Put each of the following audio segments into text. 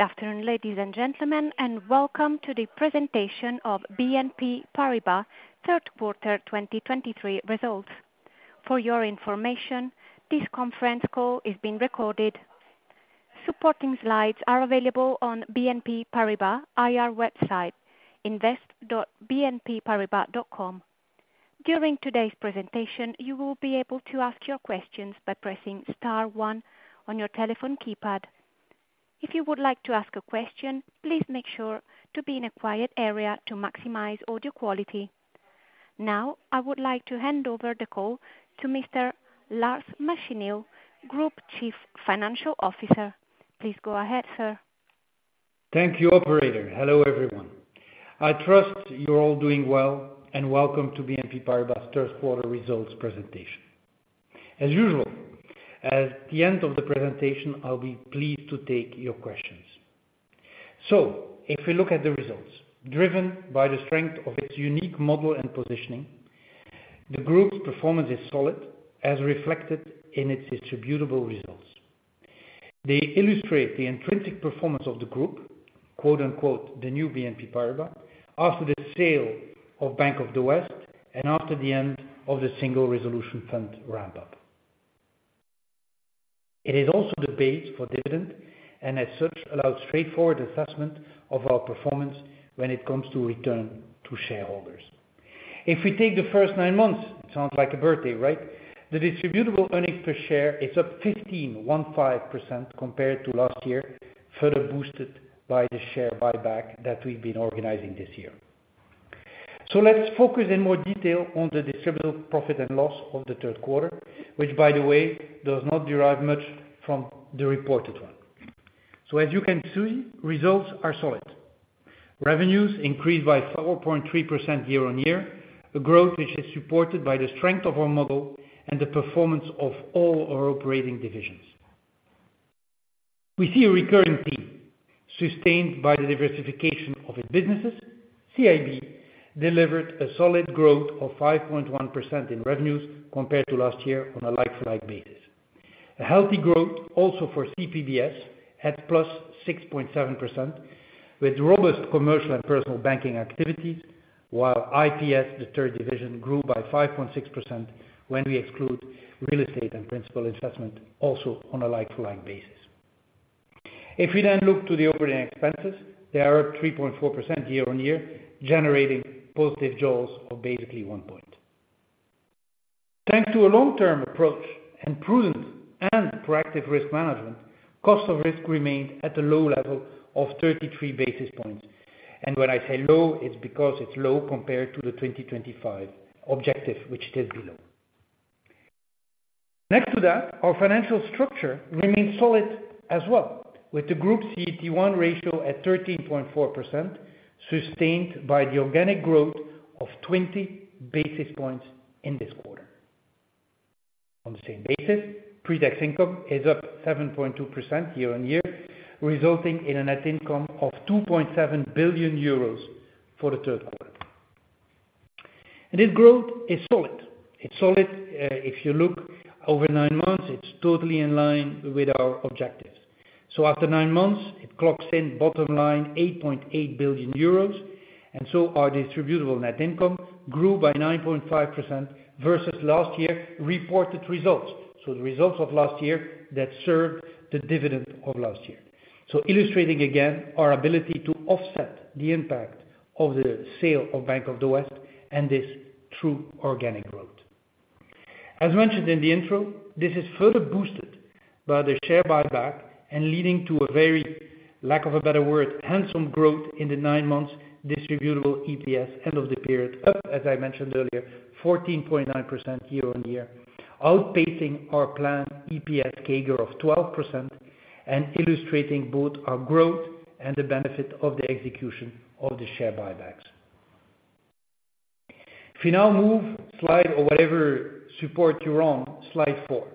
Good afternoon, ladies and gentlemen, and welcome to the presentation of BNP Paribas Third Quarter 2023 Results. For your information, this conference call is being recorded. Supporting slides are available on BNP Paribas IR website, invest.bnpparibas.com. During today's presentation, you will be able to ask your questions by pressing star one on your telephone keypad. If you would like to ask a question, please make sure to be in a quiet area to maximize audio quality. Now, I would like to hand over the call to Mr. Lars Machenil, Group Chief Financial Officer. Please go ahead, sir. Thank you, operator. Hello, everyone. I trust you're all doing well, and welcome to BNP Paribas third quarter results presentation. As usual, at the end of the presentation, I'll be pleased to take your questions. So if we look at the results, driven by the strength of its unique model and positioning, the group's performance is solid, as reflected in its distributable results. They illustrate the intrinsic performance of the group, quote unquote, “The new BNP Paribas,” after the sale of Bank of the West and after the end of the Single Resolution Fund ramp-up. It is also the base for dividend, and as such, allows straightforward assessment of our performance when it comes to return to shareholders. If we take the first nine months, sounds like a birthday, right? The distributable earnings per share is up 15% compared to last year, further boosted by the share buyback that we've been organizing this year. So let's focus in more detail on the distributable profit and loss of the third quarter, which, by the way, does not derive much from the reported one. So as you can see, results are solid. Revenues increased by 4.3% year-on-year, a growth which is supported by the strength of our model and the performance of all our operating divisions. We see a recurring theme, sustained by the diversification of its businesses. CIB delivered a solid growth of 5.1% in revenues compared to last year on a like-for-like basis. A healthy growth also for CPBS at +6.7%, with robust Commercial & Personal Banking activities, while IPS, the third division, grew by 5.6% when we exclude Real Estate Principal Investmentss, also on a like-to-like basis. If we then look to the operating expenses, they are at 3.4% year-on-year, generating positive jaws of basically one point. Thanks to a long-term approach and prudent and proactive risk management, cost of risk remained at a low level of 33 basis points. And when I say low, it's because it's low compared to the 2025 objective, which it is below. Next to that, our financial structure remains solid as well, with the group CET1 ratio at 13.4%, sustained by the organic growth of 20 basis points in this quarter. On the same basis, pre-tax income is up 7.2% year-on-year, resulting in a net income of 2.7 billion euros for the third quarter. And this growth is solid. It's solid, if you look over nine months, it's totally in line with our objectives. So after nine months, it clocks in bottom line, 8.8 billion euros, and so our distributable net income grew by 9.5% versus last year's reported results. So the results of last year that served the dividend of last year. So illustrating again, our ability to offset the impact of the sale of Bank of the West and this true organic growth. As mentioned in the intro, this is further boosted by the share buyback and leading to a very, lack of a better word, handsome growth in the nine months distributable EPS end of the period, up, as I mentioned earlier, 14.9% year-on-year, outpacing our planned EPS CAGR of 12% and illustrating both our growth and the benefit of the execution of the share buybacks. If we now move, slide, or whatever support you're on, slide four.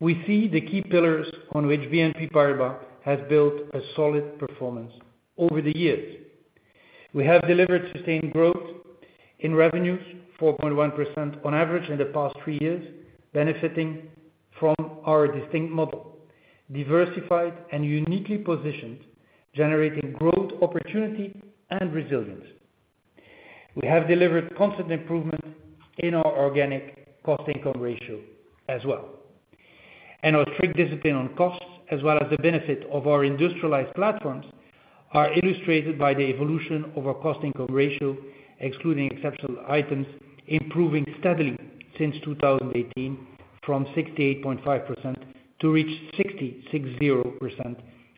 We see the key pillars on which BNP Paribas has built a solid performance over the years. We have delivered sustained growth in revenues, 4.1% on average in the past three years, benefiting from our distinct model, diversified and uniquely positioned, generating growth, opportunity and resilience. We have delivered constant improvement in our organic cost-income ratio as well. And our strict discipline on costs, as well as the benefit of our industrialized platforms, are illustrated by the evolution of our cost-income ratio, excluding exceptional items, improving steadily since 2018, from 68.5% to reach 66.0%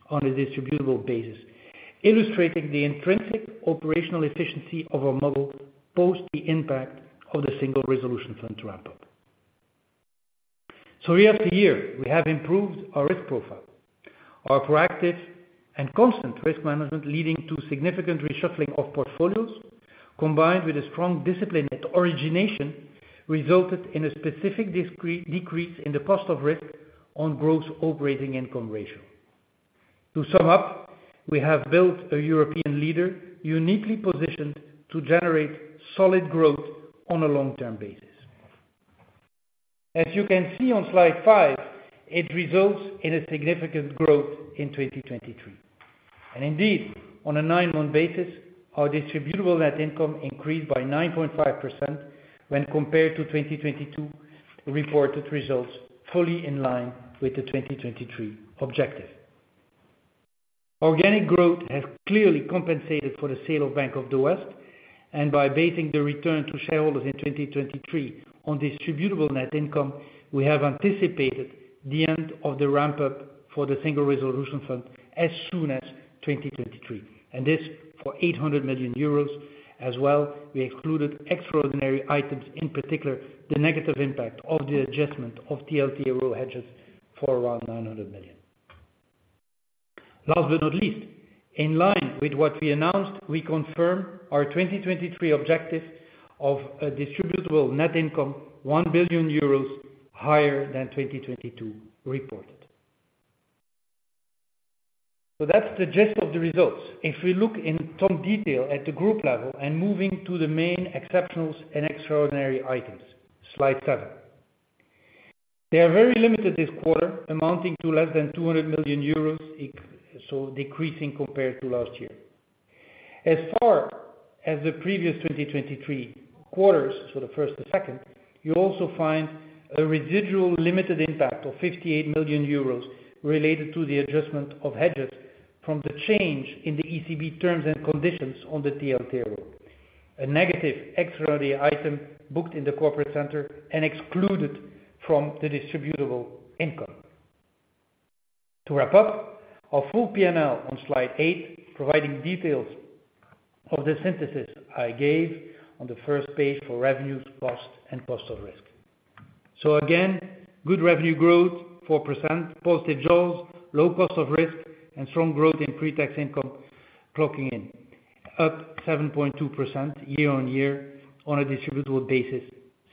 on a distributable basis, illustrating the intrinsic operational efficiency of our model post the impact of the Single Resolution Fund to ramp up. So year after year, we have improved our risk profile, our proactive and constant risk management, leading to significant reshuffling of portfolios, combined with a strong discipline at origination, resulted in a specific decrease in the cost of risk on gross operating income ratio. To sum up, we have built a European leader, uniquely positioned to generate solid growth on a long-term basis. As you can see on slide five, it results in a significant growth in 2023. Indeed, on a nine-month basis, our distributable net income increased by 9.5% when compared to 2022, reported results fully in line with the 2023 objective. Organic growth has clearly compensated for the sale of Bank of the West, and by basing the return to shareholders in 2023 on distributable net income, we have anticipated the end of the ramp up for the Single Resolution Fund as soon as 2023, and this for 800 million euros. As well, we excluded extraordinary items, in particular, the negative impact of the adjustment of the TLTRO hedges for around 900 million. Last but not least, in line with what we announced, we confirm our 2023 objective of a distributable net income, 1 billion euros higher than 2022 reported. So that's the gist of the results. If we look in some detail at the group level and moving to the main exceptionals and extraordinary items, Slide seven. They are very limited this quarter, amounting to less than 200 million euros, so decreasing compared to last year. As far as the previous 2023 quarters, so the first and second, you also find a residual limited impact of 58 million euros related to the adjustment of hedges from the change in the ECB terms and conditions on the TLTRO. A negative extraordinary item booked in the corporate center and excluded from the distributable income. To wrap up, our full P&L on Slide eight, providing details of the synthesis I gave on the first page for revenues, costs, and cost of risk. So again, good revenue growth, 4%, positive jaws, low cost of risk, and strong growth in pre-tax income, clocking in at 7.2% year-on-year on a distributable basis,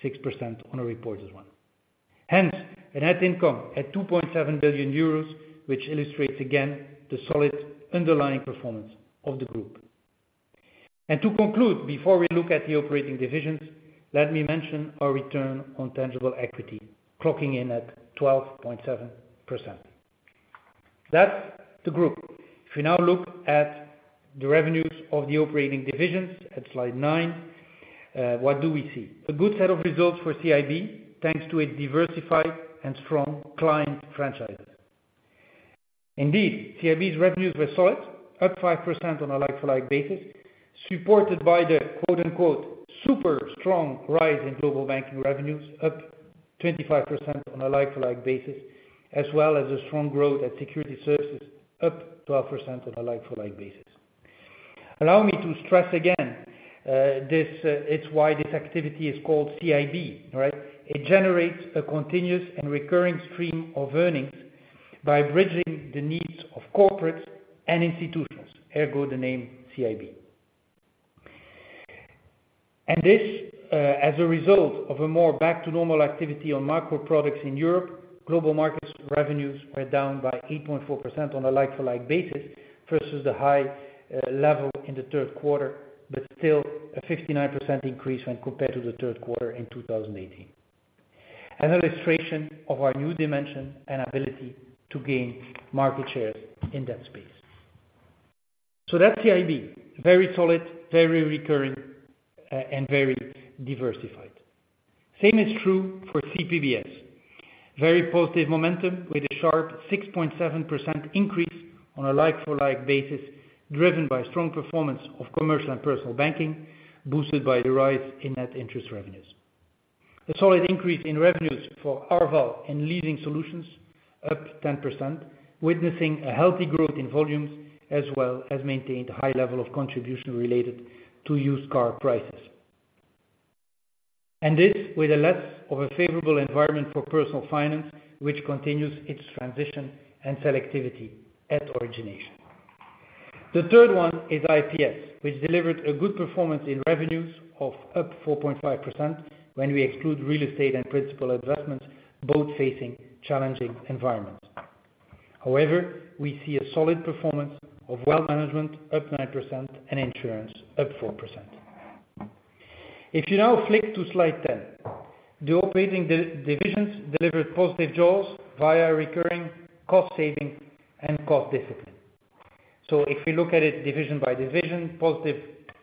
6% on a reported one. Hence, a net income at 2.7 billion euros, which illustrates again, the solid underlying performance of the group. And to conclude, before we look at the operating divisions, let me mention our return on tangible equity, clocking in at 12.7%. That's the group. If we now look at the revenues of the operating divisions at slide nine, what do we see? A good set of results for CIB, thanks to its diversified and strong client franchises. Indeed, CIB's revenues were solid, up 5% on a like-for-like basis, supported by the, quote, unquote, "super strong rise Global Banking revenues," up 25% on a like-for-like basis, as well as a strong growth at Securities Services, up 12% on a like-for-like basis. Allow me to stress again, this, it's why this activity is called CIB, right? It generates a continuous and recurring stream of earnings by bridging the needs of corporates and institutions, ergo, the name CIB. And this, as a result of a more back to normal activity on macro products in Europe, Global Markets revenues were down by 8.4% on a like-for-like basis versus the high level in the third quarter, but still a 59% increase when compared to the third quarter in 2018. An illustration of our new dimension and ability to gain market shares in that space. So that's CIB, very solid, very recurring, and very diversified. Same is true for CPBS. Very positive momentum with a sharp 6.7% increase on a like-for-like basis, driven by strong performance of Commercial & Personal Banking, boosted by the rise in net interest revenues. A solid increase in revenues for Arval and Leasing Solutions, up 10%, witnessing a healthy growth in volumes, as well as maintained high level of contribution related to used car prices. And this, with a less of a favorable environment for Personal Finance, which continues its transition and selectivity at origination. The third one is IPS, which delivered a good performance in revenues of up 4.5%, when we exclude Real Estate and Principal Investmentss, both facing challenging environments. However, we see a solid performance of Wealth Management, up 9%, and Insurance, up 4%. If you now flip to slide 10, the operating divisions delivered positive jaws via recurring cost saving and cost discipline. So if you look at it division by division, positive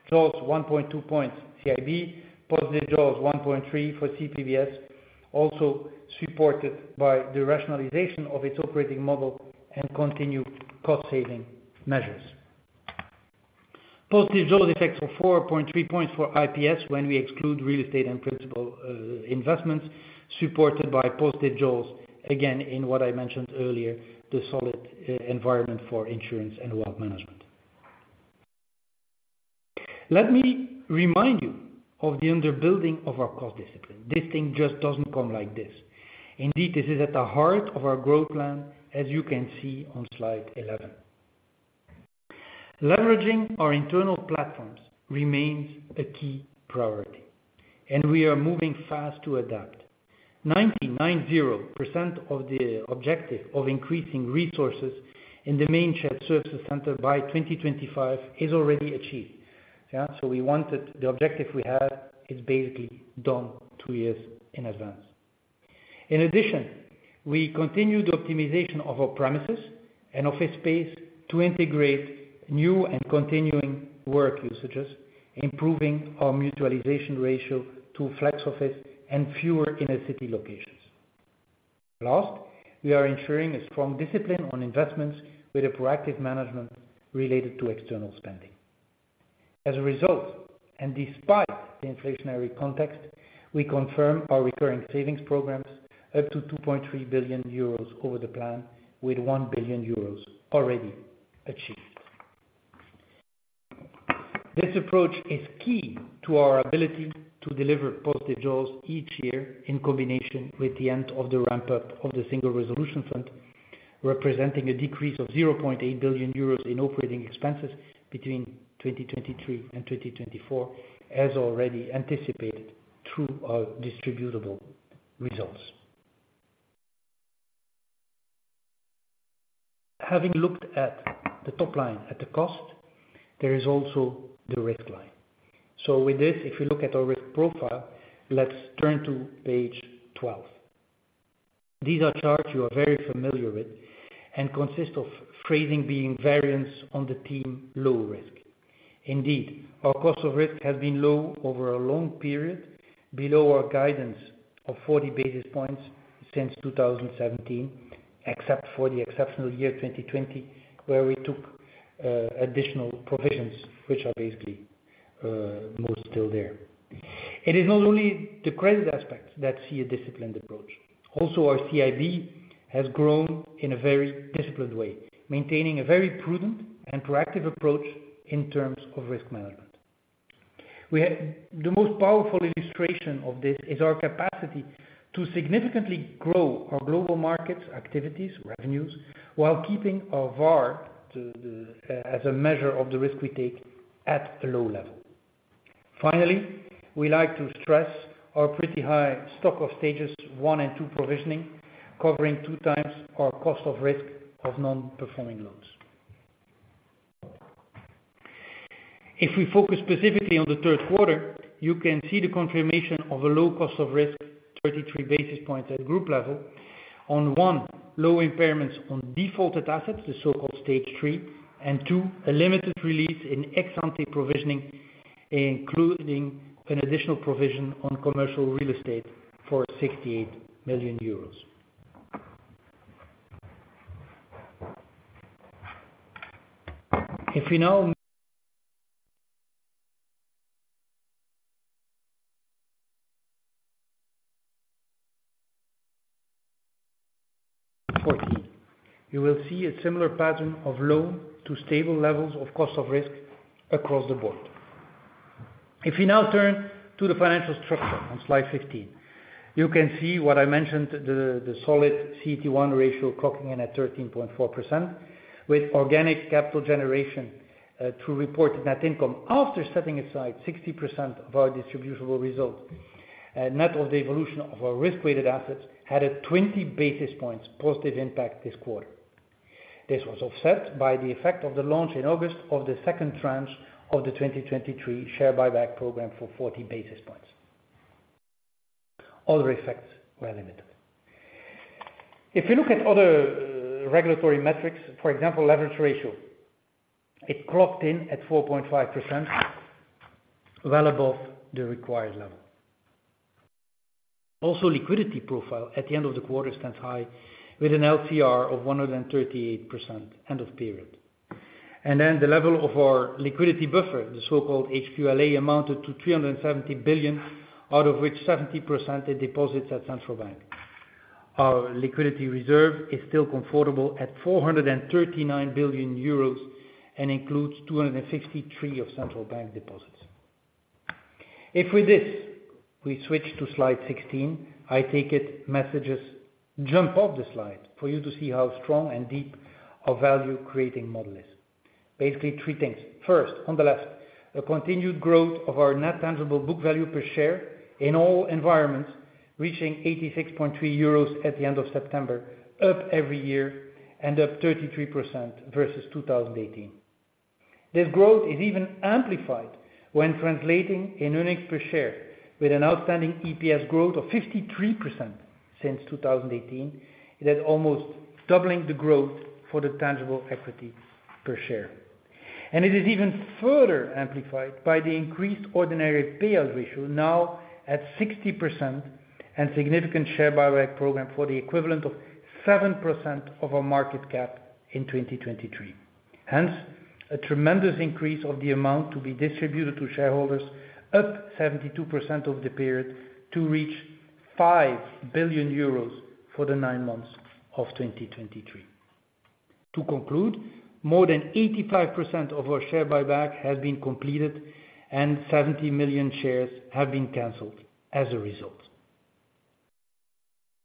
jaws, 1.2 points, CIB. Positive jaws, 1.3 for CPBS, also supported by the rationalization of its operating model and continued cost-saving measures. Positive jaws effects of 4.3 points for IPS when we exclude Real Estate and Principal Investmentss, supported by positive jaws, again, in what I mentioned earlier, the solid environment for Insurance and Wealth Management. Let me remind you of the underpinnings of our cost discipline. This thing just doesn't come like this. Indeed, this is at the heart of our growth plan, as you can see on Slide 11. Leveraging our internal platforms remains a key priority, and we are moving fast to adapt. 99% of the objective of increasing resources in the main shared services center by 2025 is already achieved. Yeah, so we wanted- the objective we had is basically done two years in advance. In addition, we continue the optimization of our premises and office space to integrate new and continuing work usages, improving our mutualization ratio to flex office and fewer inner city locations. Last, we are ensuring a strong discipline on investments with a proactive management related to external spending. As a result, and despite the inflationary context, we confirm our recurring savings programs up to 2.3 billion euros over the plan, with 1 billion euros already achieved. This approach is key to our ability to deliver positive jaws each year in combination with the end of the ramp-up of the Single Resolution Fund, representing a decrease of 0.8 billion euros in operating expenses between 2023 and 2024, as already anticipated through our distributable results. Having looked at the top line, at the cost, there is also the risk line. So with this, if you look at our risk profile, let's turn to page 12. These are charts you are very familiar with and consist of provisioning being variance on the theme, low risk. Indeed, our cost of risk has been low over a long period, below our guidance of 40 basis points since 2017, except for the exceptional year 2020, where we took additional provisions, which are basically most still there. It is not only the credit aspects that see a disciplined approach. Also, our CIB has grown in a very disciplined way, maintaining a very prudent and proactive approach in terms of risk management. The most powerful illustration of this is our capacity to significantly grow our Global Markets activities revenues while keeping our VaR, as a measure of the risk we take, at a low level. Finally, we like to stress our pretty high stock of Stage one and Stage two provisioning, covering two times our cost of risk of non-performing loans. If we focus specifically on the third quarter, you can see the confirmation of a low cost of risk, 33 basis points at group level on, one low impairments on defaulted assets, the so-called stage three, and two, a limited release in ex ante provisioning, including an additional provision on commercial Real Estate for 68 million euros. If we now you will see a similar pattern of low to stable levels of cost of risk across the board. If we now turn to the financial structure on slide 15, you can see what I mentioned, the solid CET1 ratio clocking in at 13.4% with organic capital generation to report net income after setting aside 60% of our distributable results, net of the evolution of our risk-weighted assets had a 20 basis points positive impact this quarter. This was offset by the effect of the launch in August of the second tranche of the 2023 share buyback program for 40 basis points. Other effects were limited. If you look at other regulatory metrics, for example, leverage ratio, it clocked in at 4.5%, well above the required level. Also, liquidity profile at the end of the quarter stands high with an LCR of 138% end of period. And then the level of our liquidity buffer, the so-called HQLA, amounted to 370 billion, out of which 70% are deposits at Central Bank. Our liquidity reserve is still comfortable at 439 billion euros, and includes 263 billion of Central Bank deposits. If with this, we switch to slide 16, I take it messages jump off the slide for you to see how strong and deep our value-creating model is. Basically, three things. First, on the left, a continued growth of our net tangible book value per share in all environments, reaching 86.3 euros at the end of September, up every year and up 33% versus 2018. This growth is even amplified when translating in earnings per share with an outstanding EPS growth of 53% since 2018, it is almost doubling the growth for the tangible equity per share. And it is even further amplified by the increased ordinary payout ratio, now at 60%, and significant share buyback program for the equivalent of 7% of our market cap in 2023. Hence, a tremendous increase of the amount to be distributed to shareholders up 72% over the period to reach 5 billion euros for the nine months of 2023. To conclude, more than 85% of our share buyback has been completed and 70 million shares have been canceled as a result.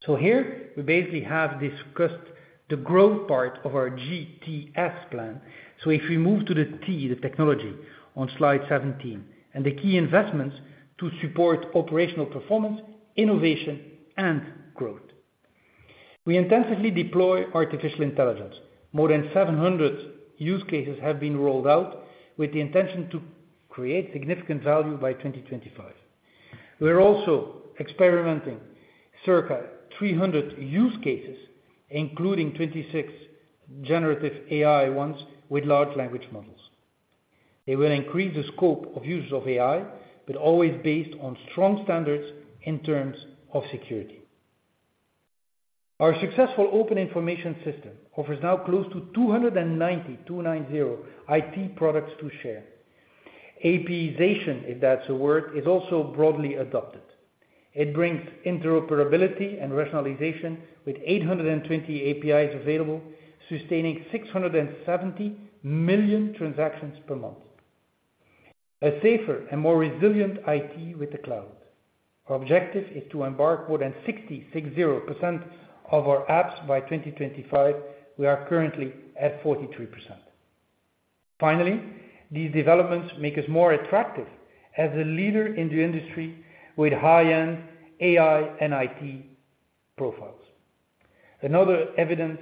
Here we basically have discussed the growth part of our GTS plan. If we move to the T, the technology on slide 17, and the key investments to support operational performance, innovation, and growth. We intensively deploy artificial intelligence. More than 700 use cases have been rolled out with the intention to create significant value by 2025. We are also experimenting circa 300 use cases, including 26 generative AI ones with large language models. They will increase the scope of use of AI, but always based on strong standards in terms of security. Our successful open information system offers now close to 290 IT products to share. APIzation, if that's a word, is also broadly adopted. It brings interoperability and rationalization, with 820 APIs available, sustaining 670 million transactions per month. A safer and more resilient IT with the cloud. Our objective is to embark more than 60% of our apps by 2025. We are currently at 43%. Finally, these developments make us more attractive as a leader in the industry with high-end AI and IT profiles. Another evidence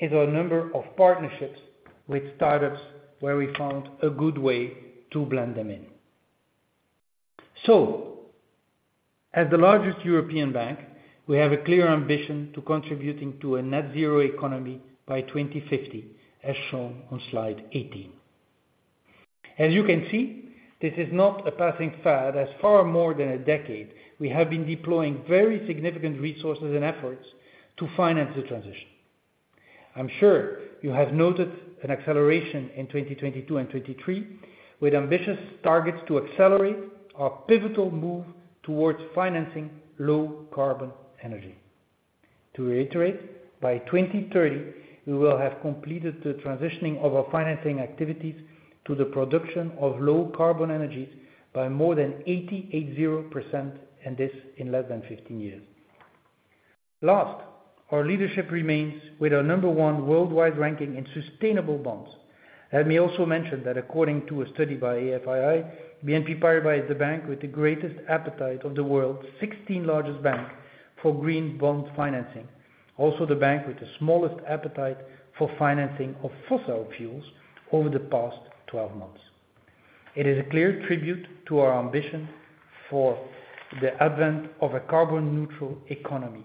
is our number of partnerships with startups, where we found a good way to blend them in. So as the largest European bank, we have a clear ambition to contribute to a net zero economy by 2050, as shown on slide 18. As you can see, this is not a passing fad. For far more than a decade, we have been deploying very significant resources and efforts to finance the transition. I'm sure you have noted an acceleration in 2022 and 2023, with ambitious targets to accelerate our pivotal move towards financing low carbon energy. To reiterate, by 2030, we will have completed the transitioning of our financing activities to the production of low carbon energies by more than 88.0%, and this in less than 15 years. Lastly, our leadership remains with our number one worldwide ranking in sustainable bonds. Let me also mention that according to a study by AFII, BNP Paribas is the bank with the greatest appetite in the world, 16th largest bank for green bond financing. Also, the bank with the smallest appetite for financing of fossil fuels over the past 12 months. It is a clear tribute to our ambition for the advent of a carbon neutral economy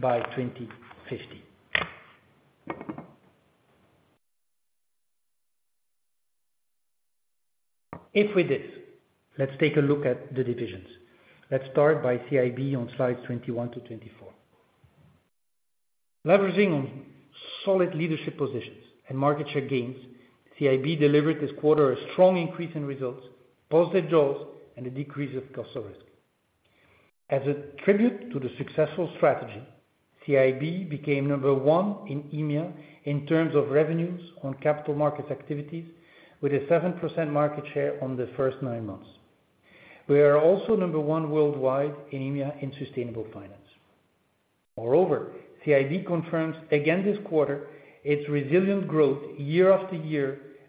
by 2050. If we did, let's take a look at the divisions. Let's start by CIB on slides 21-24. Leveraging on solid leadership positions and market share gains, CIB delivered this quarter a strong increase in results, positive jaws and a decrease of cost of risk. As a tribute to the successful strategy, CIB became number one in EMEA in terms of revenues on capital markets activities, with a 7% market share on the first nine months. We are also number one worldwide in EMEA in sustainable finance. Moreover, CIB confirms again this quarter, its resilient growth year after year,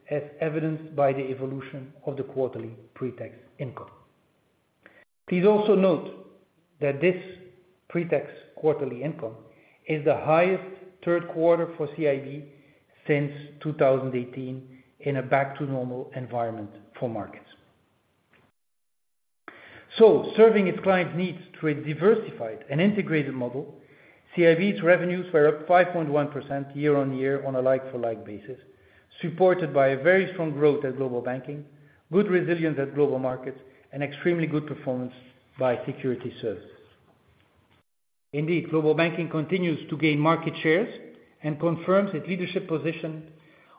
as evidenced by the evolution of the quarterly pre-tax income. Please also note that this pre-tax quarterly income is the highest third quarter for CIB since 2018, in a back-to-normal environment for markets. Serving its clients needs to a diversified and integrated model, CIB's revenues were up 5.1% year-on-year on a like-for-like basis, supported by a very strong growth Global Banking, good resilience at Global Markets and extremely good performance by Securities Services. Global Banking continues to gain market shares and confirms its leadership position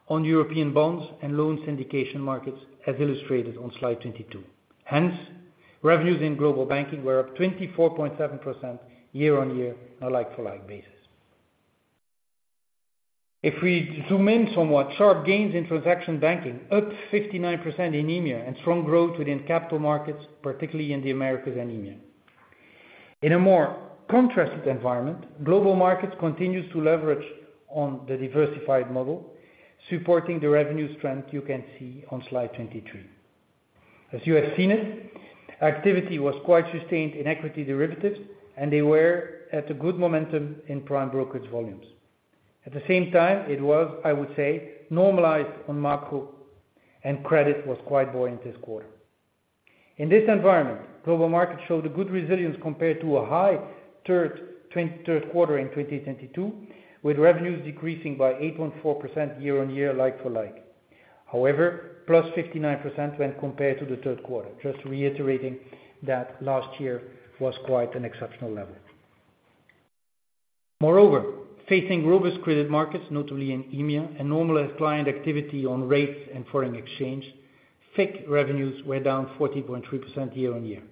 on European bonds and loans syndication markets, as illustrated on slide 22. Hence, revenues Global Banking were up 24.7% year-over-year on a like-for-like basis. If we zoom in somewhat, sharp gains in Transaction Banking up 59% in EMEA, and strong growth within capital markets, particularly in the Americas and EMEA. In a more contrasted environment, Global Markets continues to leverage on the diversified model, supporting the revenue trend you can see on slide 23. As you have seen it, activity was quite sustained in equity derivatives, and they were at a good momentum in prime brokerage volumes. At the same time, it was, I would say, normalized on macro and credit was quite buoyant this quarter. In this environment, Global Markets showed a good resilience compared to a high third quarter in 2022, with revenues decreasing by 8.4% year-over-year, like-for-like. However, +59% when compared to the third quarter. Just reiterating that last year was quite an exceptional level. Moreover, facing robust credit markets, notably in EMEA and normalized client activity on rates and foreign exchange, FICC revenues were down 40.3% year-on-year.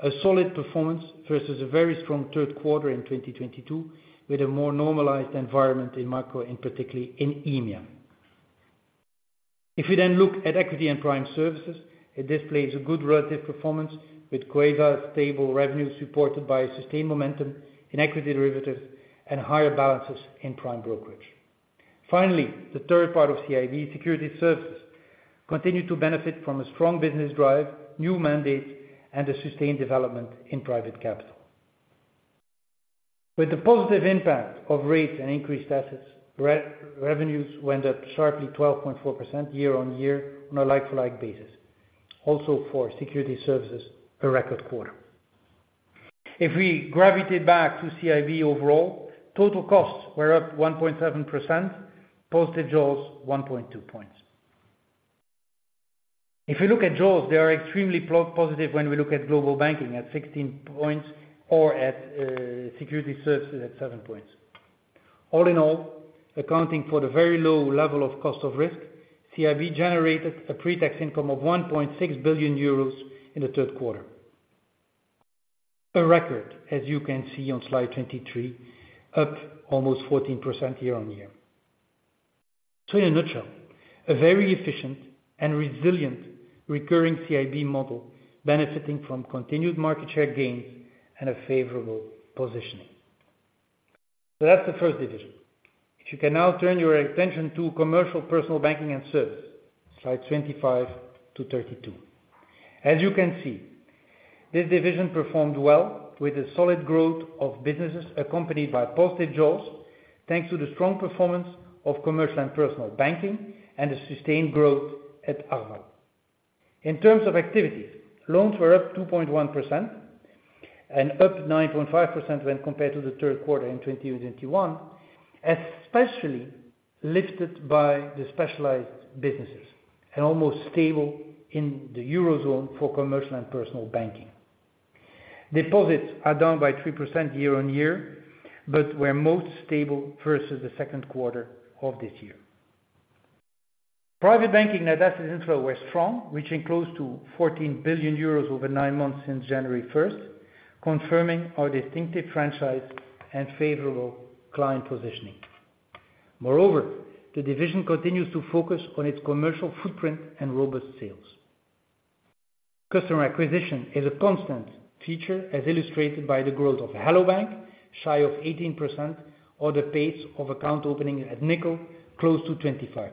A solid performance versus a very strong third quarter in 2022, with a more normalized environment in macro and particularly in EMEA. If we then look at Equity & Prime Services, it displays a good relative performance with quite a stable revenue, supported by a sustained momentum in equity derivatives and higher balances in prime brokerage. Finally, the third part of CIB, Securities Services, continue to benefit from a strong business drive, new mandate, and a sustained development in private capital. With the positive impact of rates and increased assets, revenues went up sharply 12.4% year-on-year on a like-for-like basis. Also, for Securities Services, a record quarter. If we gravitate back to CIB overall, total costs were up 1.7%, positive jaws 1.2 points. If you look at jaws, they are extremely positive when we look Global Banking at 16 points or at, Securities Services at seven points. All in all, accounting for the very low level of cost of risk, CIB generated a pre-tax income of 1.6 billion euros in the third quarter. A record, as you can see on slide 23, up almost 14% year-on-year. So in a nutshell, a very efficient and resilient recurring CIB model, benefiting from continued market share gains and a favorable positioning. So that's the first division. If you can now turn your attention to commercial personal banking and service, slide 25 to 32. As you can see, this division performed well with a solid growth of businesses accompanied by positive jaws, thanks to the strong performance of Commercial & Personal Banking and a sustained growth at Arval. In terms of activities, loans were up 2.1% and up 9.5% when compared to the third quarter in 2021, especially lifted by the specialized businesses and almost stable in the Eurozone for Commercial & Personal Banking. Deposits are down by 3% year on year, but were most stable versus the second quarter of this year. Private Banking net assets inflow were strong, reaching close to 14 billion euros over nine months since January first, confirming our distinctive franchise and favorable client positioning. Moreover, the division continues to focus on its commercial footprint and robust sales. Customer acquisition is a constant feature, as illustrated by the growth of Hello bank!, shy of 18%, or the pace of account opening at Nickel, close to 25%.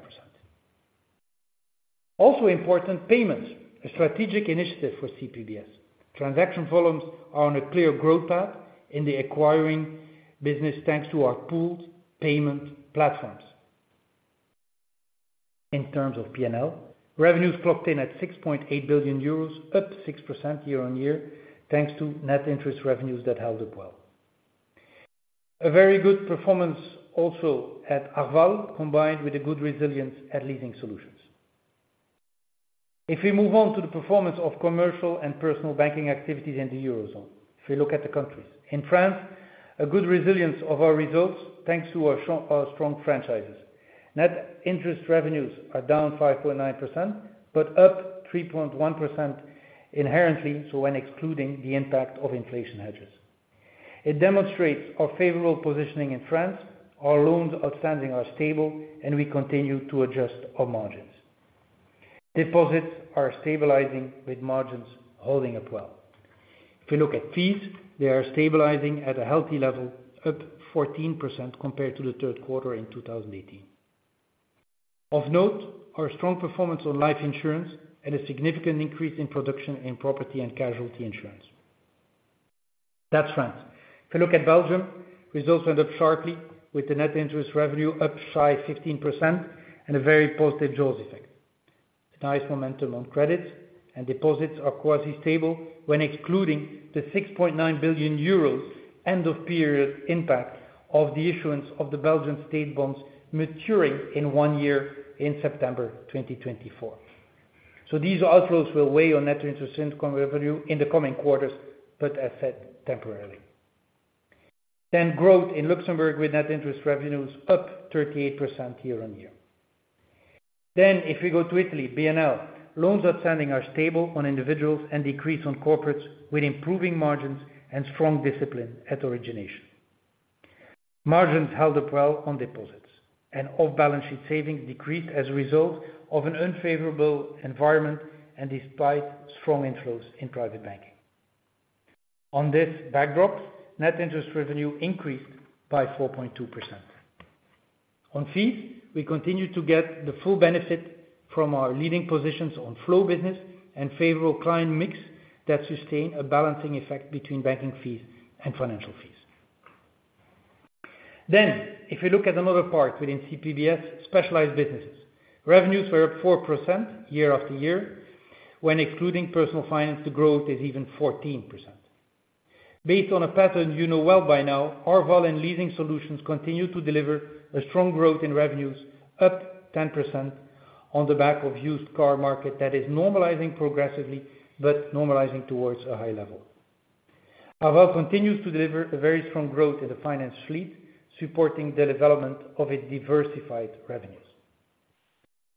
Also important, payments, a strategic initiative for CPBS. Transaction volumes are on a clear growth path in the acquiring business, thanks to our pooled payment platforms. In terms of P&L, revenues clocked in at 6.8 billion euros, up 6% year-on-year, thanks to net interest revenues that held up well. A very good performance also at Arval, combined with a good resilience at Leasing Solutions. If we move on to the performance of Commercial & Personal Banking activities in the Eurozone, if we look at the countries. In France, a good resilience of our results, thanks to our strong, our strong franchises. Net interest revenues are down 5.9%, but up 3.1% inherently, so when excluding the impact of inflation hedges. It demonstrates our favorable positioning in France; our loans outstanding are stable, and we continue to adjust our margins. Deposits are stabilizing with margins holding up well. If you look at fees, they are stabilizing at a healthy level, up 14% compared to the third quarter in 2018. Of note, our strong performance on life Insurance and a significant increase in production in property and casualty Insurance. That's France. If you look at Belgium, results are up sharply with the net interest revenue up by 15% and a very positive jaws effect. Nice momentum on credits and deposits are quasi-stable when excluding the 6.9 billion euros end of period impact of the issuance of the Belgian state bonds maturing in one year in September 2024. So these outflows will weigh on net interest income revenue in the coming quarters, but as said, temporarily. Then growth in Luxembourg, with net interest revenues up 38% year-on-year. Then if we go to Italy, BNL, loans outstanding are stable on individuals and decrease on corporates, with improving margins and strong discipline at origination. Margins held up well on deposits and off-balance sheet savings decreased as a result of an unfavorable environment and despite strong inflows in Private Banking. On this backdrop, net interest revenue increased by 4.2%. On fees, we continue to get the full benefit from our leading positions on flow business and favorable client mix that sustain a balancing effect between banking fees and financial fees. Then, if you look at another part within CPBS, specialized businesses, revenues were up 4% year-over-year. When excluding Personal Finance, the growth is even 14%. Based on a pattern you know well by now, Arval and leasing solutions continue to deliver a strong growth in revenues, up 10% on the back of used car market that is normalizing progressively, but normalizing towards a high level. Arval continues to deliver a very strong growth in the finance fleet, supporting the development of its diversified revenues.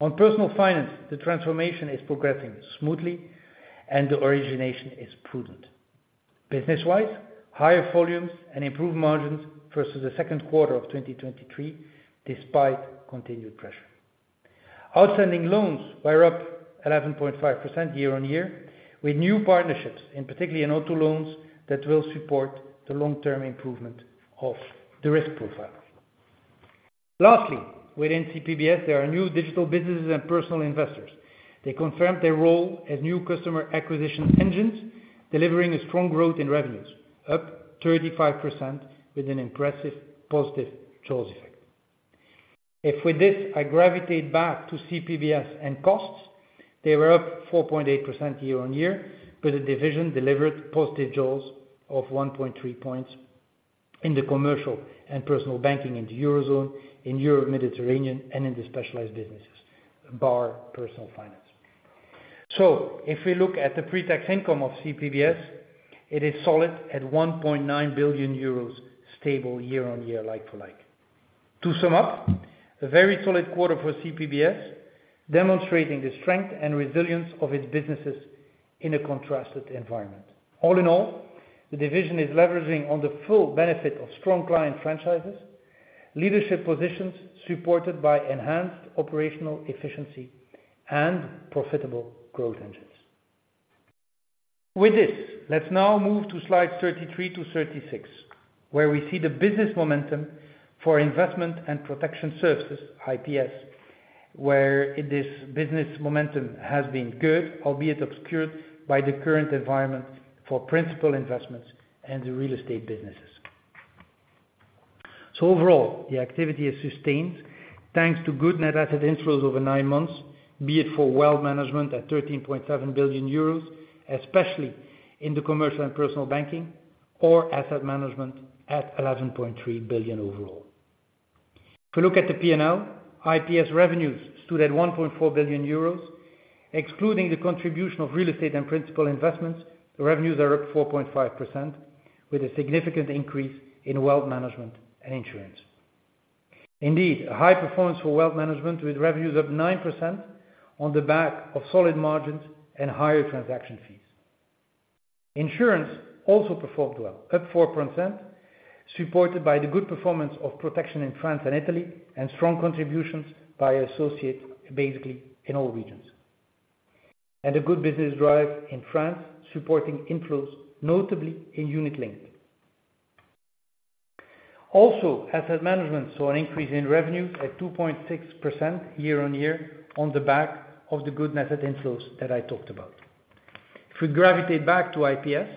On Personal Finance, the transformation is progressing smoothly, and the origination is prudent. Business-wise, higher volumes and improved margins versus the second quarter of 2023, despite continued pressure. Outstanding loans were up 11.5% year-on-year, with new partnerships, in particular in auto loans, that will support the long-term improvement of the risk profile. Lastly, within CPBS, there are New Digital Businesses and Personal Investors. They confirmed their role as new customer acquisition engines, delivering a strong growth in revenues, up 35% with an impressive positive jaws effect. If with this, I gravitate back to CPBS and costs, they were up 4.8% year-on-year, but the division delivered positive jaws of 1.3 points in the Commercial & Personal Banking in the Eurozone, in Europe-Mediterranean, and in the specialized businesses, bar Personal Finance. So if we look at the pre-tax income of CPBS, it is solid at 1.9 billion euros, stable year-on-year, like for like. To sum up, a very solid quarter for CPBS, demonstrating the strength and resilience of its businesses in a contrasted environment. All in all, the division is leveraging on the full benefit of strong client franchises, leadership positions, supported by enhanced operational efficiency and profitable growth engines. With this, let's now move to slide 33-36, where we see the business momentum for investment and protection services, IPS, where this business momentum has been good, albeit obscured by the current environment for Principal Investmentss and the Real Estate businesses. So overall, the activity is sustained, thanks to good net asset inflows over nine months, be it for Wealth Management at 13.7 billion euros, especially in the Commercial & Personal Banking, or Asset Management at 11.3 billion overall. If you look at the P&L, IPS revenues stood at 1.4 billion euros, excluding the contribution of Real Estate and Principal Investmentss, the revenues are up 4.5%, with a significant increase in Wealth Management and Insurance. Indeed, a high performance for Wealth Management, with revenues up 9% on the back of solid margins and higher transaction fees. Insurance also performed well, up 4%, supported by the good performance of protection in France and Italy, and strong contributions by associates, basically in all regions. A good business drive in France, supporting inflows, notably in unit-linked. Also, Asset Management saw an increase in revenues at 2.6% year-on-year, on the back of the good net inflows that I talked about. If we gravitate back to IPS,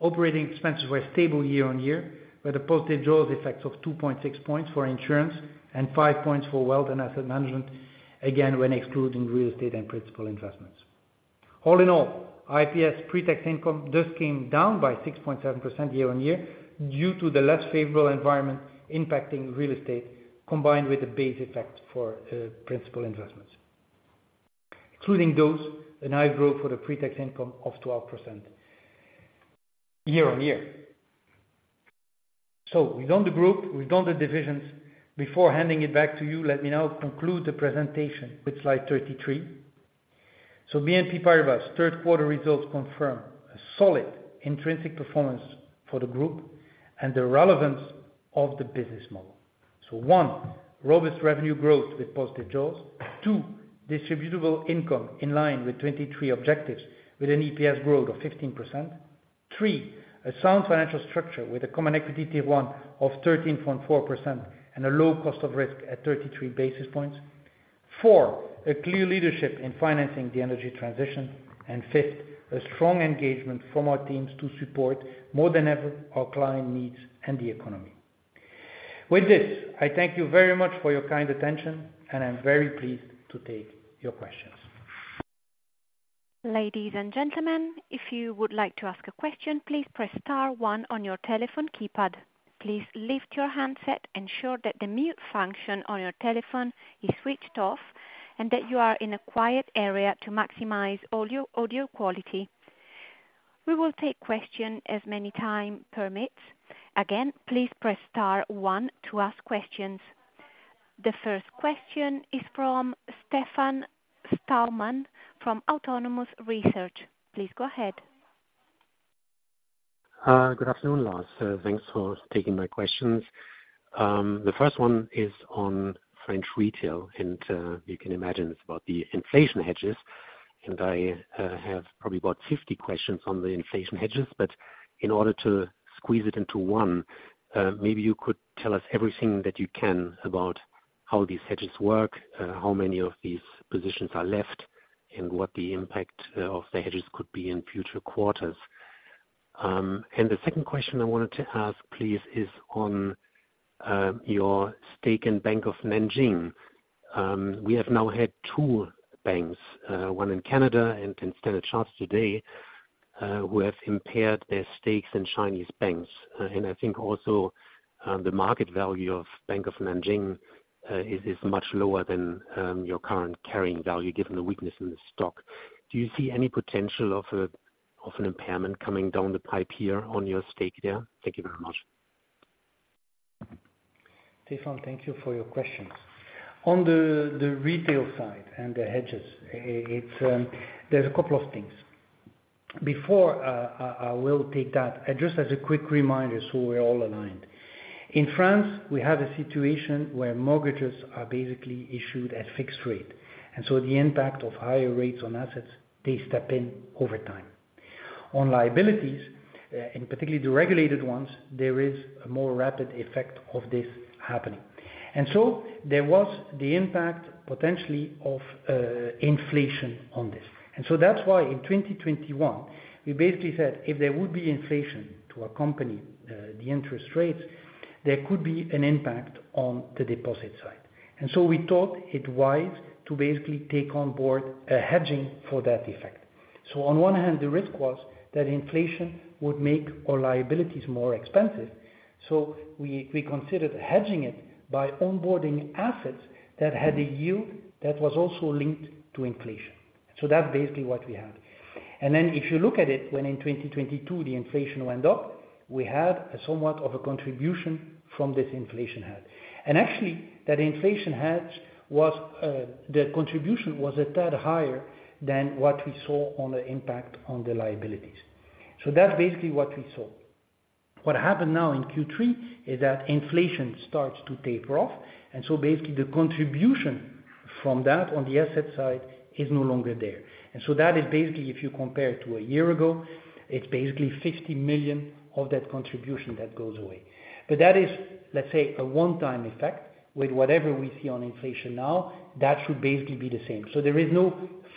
operating expenses were stable year-on-year, with a posted drags effect of 2.6 points for Insurance and 5 points for wealth and Asset Management, again, when excluding Real Estate and Principal Investmentss. All in all, IPS pre-tax income just came down by 6.7% year-on-year, due to the less favorable environment impacting Real Estate, combined with the base effect for Principal Investmentss. Excluding those, a high growth for the pre-tax income of 12% year-on-year. So we've done the group, we've done the divisions. Before handing it back to you, let me now conclude the presentation with slide 33. So BNP Paribas third quarter results confirm a solid intrinsic performance for the group and the relevance of the business model. So one, robust revenue growth with positive jaws. Two, Distributable Income in line with 2023 objectives, with an EPS growth of 15%. three, a sound financial structure with a Common Equity Tier 1 of 13.4% and a low Cost of Risk at 33 basis points. four, a clear leadership in financing the energy transition. Fifth, a strong engagement from our teams to support more than ever, our client needs and the economy. With this, I thank you very much for your kind attention, and I'm very pleased to take your questions. Ladies and gentlemen, if you would like to ask a question, please press star one on your telephone keypad. Please lift your handset, ensure that the mute function on your telephone is switched off, and that you are in a quiet area to maximize all your audio quality. We will take questions as time permits. Again, please press star one to ask questions. The first question is from Stefan Stalmann from Autonomous Research. Please go ahead. Good afternoon, Lars. Thanks for taking my questions. The first one is on French retail, and you can imagine it's about the inflation hedges, and I have probably about 50 questions on the inflation hedges, but in order to squeeze it into one, maybe you could tell us everything that you can about how these hedges work, how many of these positions are left, and what the impact of the hedges could be in future quarters. And the second question I wanted to ask, please, is on your stake in Bank of Nanjing. We have now had two banks, one in Canada and then Standard Chartered today, who have impaired their stakes in Chinese banks. I think also, the market value of Bank of Nanjing is much lower than your current carrying value, given the weakness in the stock. Do you see any potential of an impairment coming down the pipe here on your stake there? Thank you very much. Stefan, thank you for your questions. On the retail side and the hedges, it's, there's a couple of things before I will take that, just as a quick reminder, so we're all aligned. In France, we have a situation where mortgages are basically issued at fixed rate, and so the impact of higher rates on assets, they step in over time. On liabilities, and particularly the regulated ones, there is a more rapid effect of this happening. And so there was the impact, potentially, of inflation on this. And so that's why in 2021, we basically said, if there would be inflation to accompany the interest rates, there could be an impact on the deposit side. And so we thought it wise to basically take on board a hedging for that effect. So on one hand, the risk was that inflation would make our liabilities more expensive, so we considered hedging it by onboarding assets that had a yield that was also linked to inflation. So that's basically what we had. And then if you look at it, when in 2022, the inflation went up, we had somewhat of a contribution from this inflation hedge. And actually, that inflation hedge was the contribution was a tad higher than what we saw on the impact on the liabilities. So that's basically what we saw. What happened now in Q3 is that inflation starts to taper off, and so basically, the contribution from that on the asset side is no longer there. And so that is basically, if you compare it to a year ago, it's basically 50 million of that contribution that goes away. But that is, let's say, a one-time effect with whatever we see on inflation now, that should basically be the same. So there is no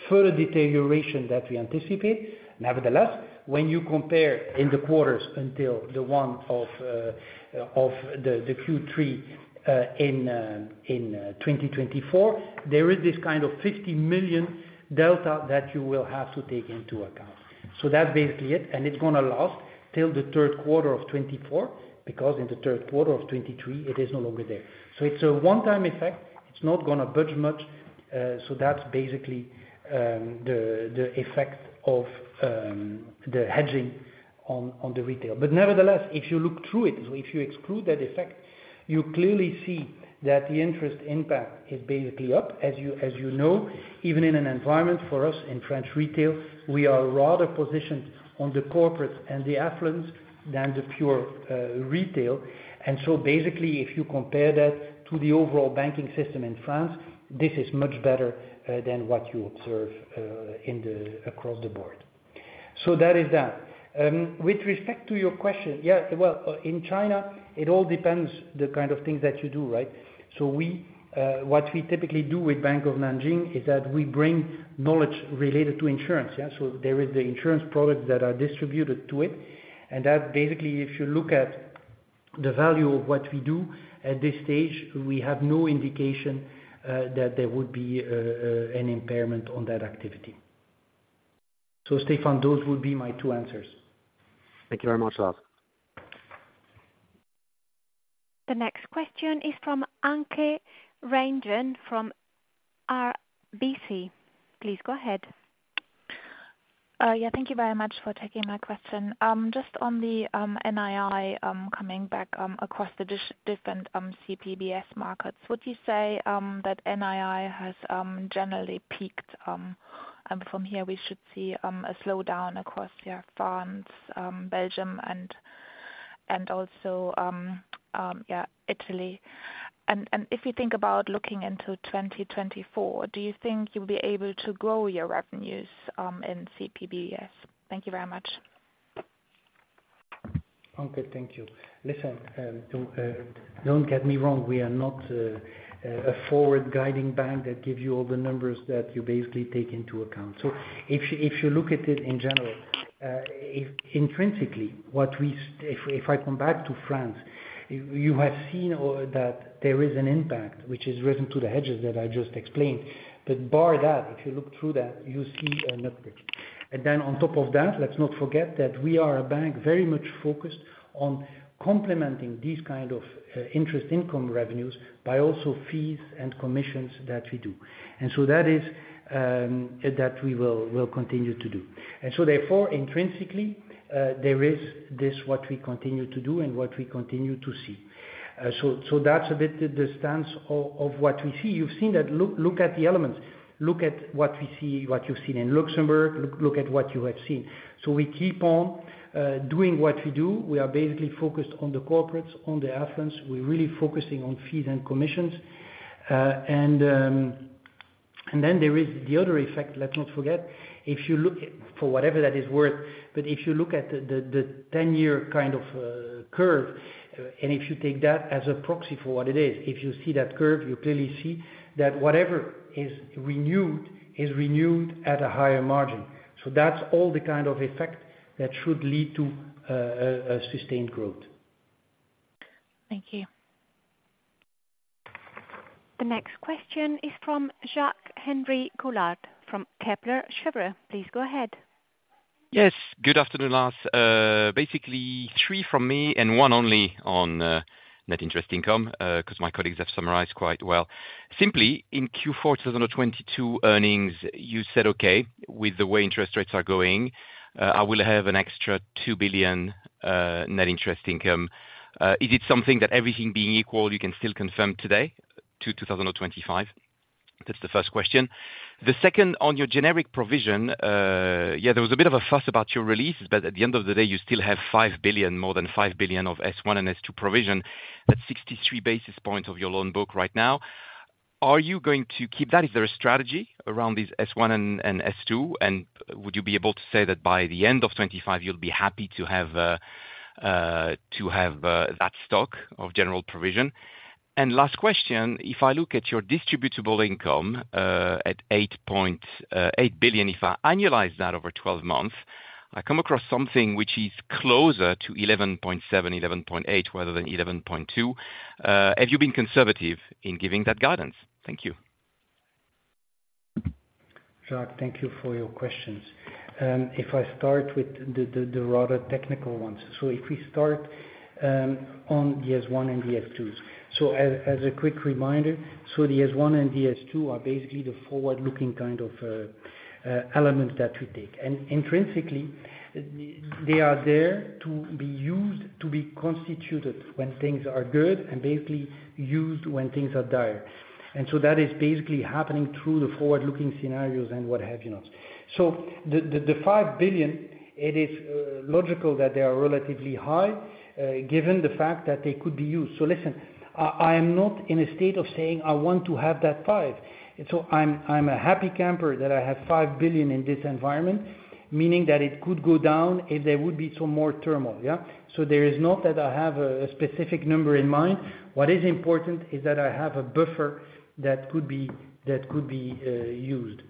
further deterioration that we anticipate. Nevertheless, when you compare in the quarters until the one of the Q3 in 2024, there is this kind of 50 million delta that you will have to take into account. So that's basically it, and it's gonna last till the third quarter of 2024, because in the third quarter of 2023, it is no longer there. So it's a one-time effect. It's not gonna budge much, so that's basically the effect of the hedging on the retail. But nevertheless, if you look through it, if you exclude that effect, you clearly see that the interest impact is basically up as you know, even in an environment for us in French retail, we are rather positioned on the corporate and the affluent than the pure retail. And so basically, if you compare that to the overall banking system in France, this is much better than what you observe in the across the board. So that is that. With respect to your question, yeah, well, in China, it all depends the kind of things that you do, right? So, what we typically do with Bank of Nanjing is that we bring knowledge related to Insurance, yeah, so there is the Insurance products that are distributed to it, and that basically, if you look at the value of what we do at this stage, we have no indication that there would be an impairment on that activity. So Stefan, those would be my two answers. Thank you very much, Lars. The next question is from Anke Reingen, from RBC. Please go ahead. Thank you very much for taking my question. Just on the NII coming back across the different CPBS markets, would you say that NII has generally peaked and from here we should see a slowdown across France, Belgium, and also Italy? And if you think about looking into 2024, do you think you'll be able to grow your revenues in CPBS? Thank you very much. Anke, thank you. Listen, don't get me wrong, we are not a forward-guiding bank that gives you all the numbers that you basically take into account. So if you look at it in general, if intrinsically, if I come back to France, you have seen or that there is an impact, which is written to the hedges that I just explained. But bar that, if you look through that, you see an upgrade. And then on top of that, let's not forget that we are a bank very much focused on complementing these kind of interest income revenues by also fees and commissions that we do. And so that is that we will, we'll continue to do. And so therefore, intrinsically, there is this, what we continue to do and what we continue to see. So, so that's a bit the stance of what we see. You've seen that. Look, look at the elements, look at what we see, what you've seen in Luxembourg, look, look at what you have seen. So we keep on, doing what we do. We are basically focused on the corporates, on the affluence. We're really focusing on fees and commissions. And, and then there is the other effect, let's not forget, if you look at for whatever that is worth, but if you look at the, the, the 10-year kind of, curve, and if you take that as a proxy for what it is, if you see that curve, you clearly see that whatever is renewed is renewed at a higher margin. So that's all the kind of effect that should lead to a sustained growth. Thank you. The next question is from Jacques-Henri Gaulard, from Kepler Cheuvreux. Please go ahead. Yes, good afternoon, Lars. Basically, three from me, and one only on net interest income, 'cause my colleagues have summarized quite well. Simply, in Q4 2022 earnings, you said, "Okay, with the way interest rates are going, I will have an extra 2 billion net interest income." Is it something that everything being equal, you can still confirm today to 2025? That's the first question. The second, on your generic provision, yeah, there was a bit of a fuss about your releases, but at the end of the day, you still have 5 billion, more than 5 billion of S1 and S2 provision. That's 63 basis points of your loan book right now. Are you going to keep that? Is there a strategy around these S1 and S2? Would you be able to say that by the end of 2025, you'll be happy to have that stock of general provision? Last question, if I look at your distributable income at 8.8 billion, if I annualize that over 12 months, I come across something which is closer to 11.7-11.8, rather than 11.2. Have you been conservative in giving that guidance? Thank you. Jacques, thank you for your questions. If I start with the rather technical ones. So if we start on the S1 and the S2s. So as a quick reminder, so the S1 and the S2 are basically the forward-looking kind of elements that we take. And intrinsically, they are there to be used, to be constituted when things are good and basically used when things are dire. And so that is basically happening through the forward-looking scenarios and what have you not. So the 5 billion, it is logical that they are relatively high, given the fact that they could be used. So listen, I am not in a state of saying I want to have that five. So I'm a happy camper that I have 5 billion in this environment, meaning that it could go down if there would be some more turmoil, yeah? So there is not that I have a specific number in mind. What is important is that I have a buffer that could be used.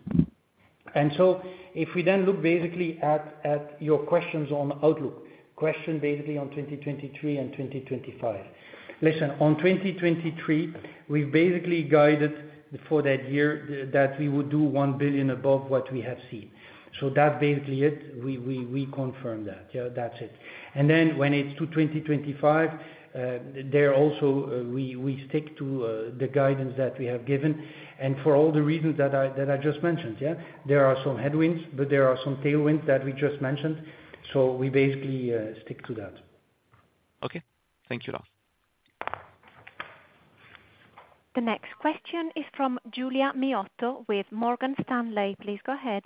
And so if we then look basically at your questions on outlook, question basically on 2023 and 2025. Listen, on 2023, we've basically guided for that year, that we would do 1 billion above what we have seen. So that's basically it. We confirm that. Yeah, that's it. And then when it's to 2025, there also, we stick to the guidance that we have given, and for all the reasons that I just mentioned, yeah? There are some headwinds, but there are some tailwinds that we just mentioned. So we basically stick to that. Okay. Thank you, Lars. The next question is from Giulia Miotto with Morgan Stanley. Please go ahead.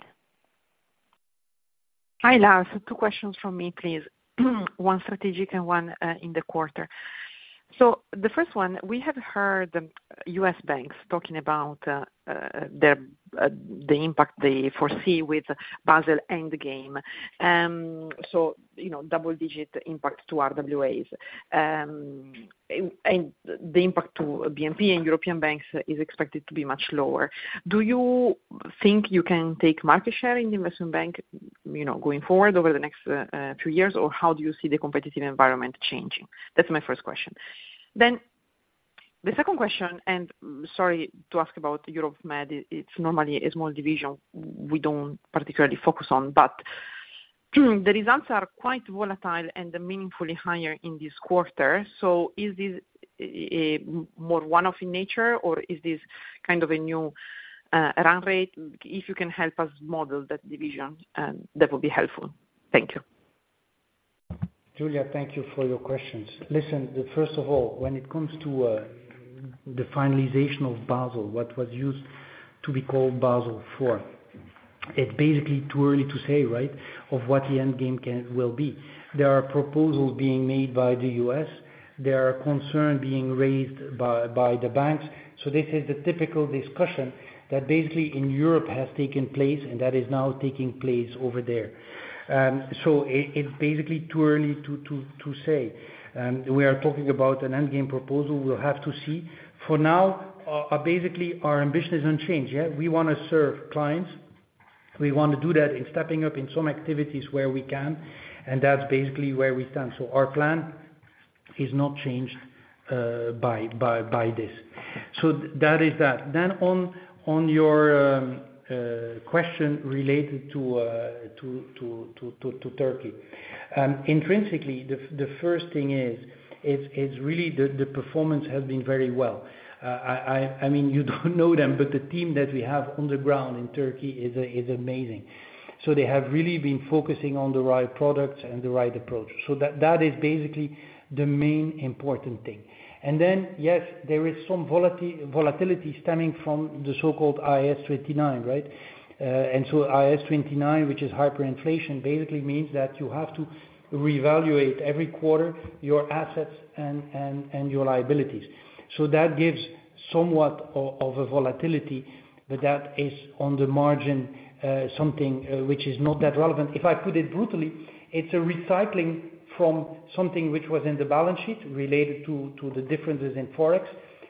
Hi, Lars. Two questions from me, please. One strategic and one in the quarter. So the first one, we have heard the US banks talking about the impact they foresee with Basel endgame. So, you know, double-digit impact to RWAs. And the impact to BNP and European banks is expected to be much lower. Do you think you can take market share in the investment bank, you know, going forward over the next two years, or how do you see the competitive environment changing? That's my first question. Then the second question, and sorry to ask about Europe Med, it's normally a small division we don't particularly focus on, but the results are quite volatile and are meaningfully higher in this quarter. So is this more one-off in nature, or is this kind of a new run rate? If you can help us model that division, that would be helpful. Thank you. Julia, thank you for your questions. Listen, the first of all, when it comes to the finalization of Basel, what was used to be called Basel IV, it's basically too early to say, right, of what the endgame can, will be. There are proposals being made by the U.S., there are concerns being raised by the banks, so this is the typical discussion that basically in Europe has taken place, and that is now taking place over there. So it, it's basically too early to say. We are talking about an endgame proposal, we'll have to see. For now, basically, our ambition doesn't change, yeah? We wanna serve clients, we want to do that in stepping up in some activities where we can, and that's basically where we stand. So our plan is not changed by this. So that is that. Then on your question related to Turkey. Intrinsically, the first thing is, it's really the performance has been very well. I mean, you don't know them, but the team that we have on the ground in Turkey is amazing. So they have really been focusing on the right products and the right approach. So that is basically the main important thing. And then, yes, there is some volatility stemming from the so-called IAS 29, right? And so IAS 29, which is hyperinflation, basically means that you have to reevaluate every quarter your assets and your liabilities. So that gives somewhat of a volatility, but that is on the margin, something which is not that relevant. If I put it brutally, it's a recycling from something which was in the balance sheet related to the differences in Forex,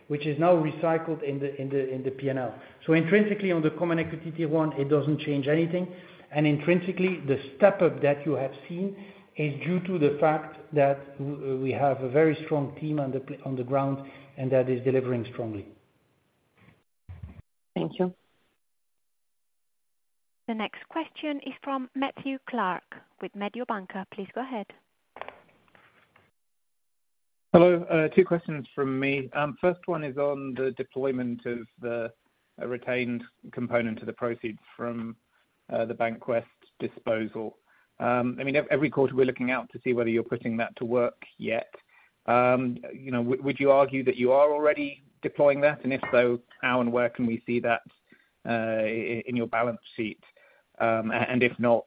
which is now recycled in the PNL. So intrinsically, on the common equity one, it doesn't change anything. Intrinsically, the step up that you have seen is due to the fact that we have a very strong team on the ground, and that is delivering strongly. Thank you. The next question is from Matthew Clark with Mediobanca. Please go ahead. Hello. Two questions from me. First one is on the deployment of the retained component to the proceeds from the Bank of the West disposal. I mean, every quarter, we're looking out to see whether you're putting that to work yet. You know, would you argue that you are already deploying that? And if so, how and where can we see that in your balance sheet? And if not,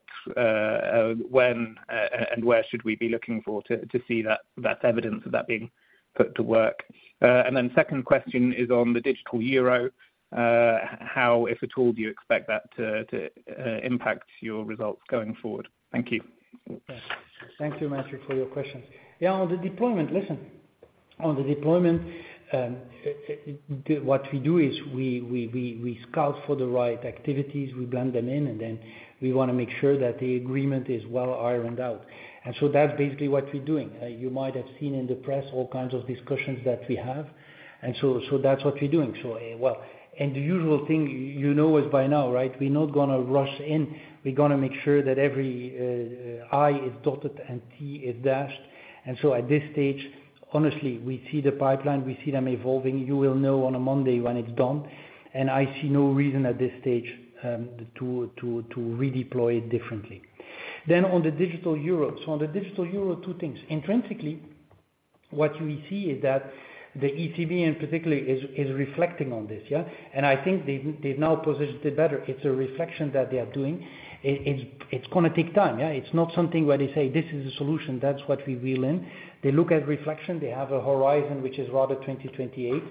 when and where should we be looking for to see that evidence of that being put to work? And then second question is on the digital euro. How, if at all, do you expect that to impact your results going forward? Thank you. Thank you, Matthew, for your questions. Yeah, on the deployment, listen, on the deployment, what we do is we scout for the right activities, we blend them in, and then we wanna make sure that the agreement is well ironed out. And so that's basically what we're doing. You might have seen in the press all kinds of discussions that we have, and so that's what we're doing. So, well, and the usual thing, you know, is by now, right, we're not gonna rush in. We're gonna make sure that every i is dotted and t is dashed. And so at this stage, honestly, we see the pipeline, we see them evolving. You will know on a Monday when it's done, and I see no reason at this stage to redeploy it differently. Then on the digital euro. So on the digital euro, two things. Intrinsically, what we see is that the ECB in particular is reflecting on this, yeah? And I think they've now positioned it better. It's a reflection that they are doing, it's gonna take time, yeah? It's not something where they say, "This is the solution, that's what we wheel in." They look at reflection, they have a horizon, which is rather 2028.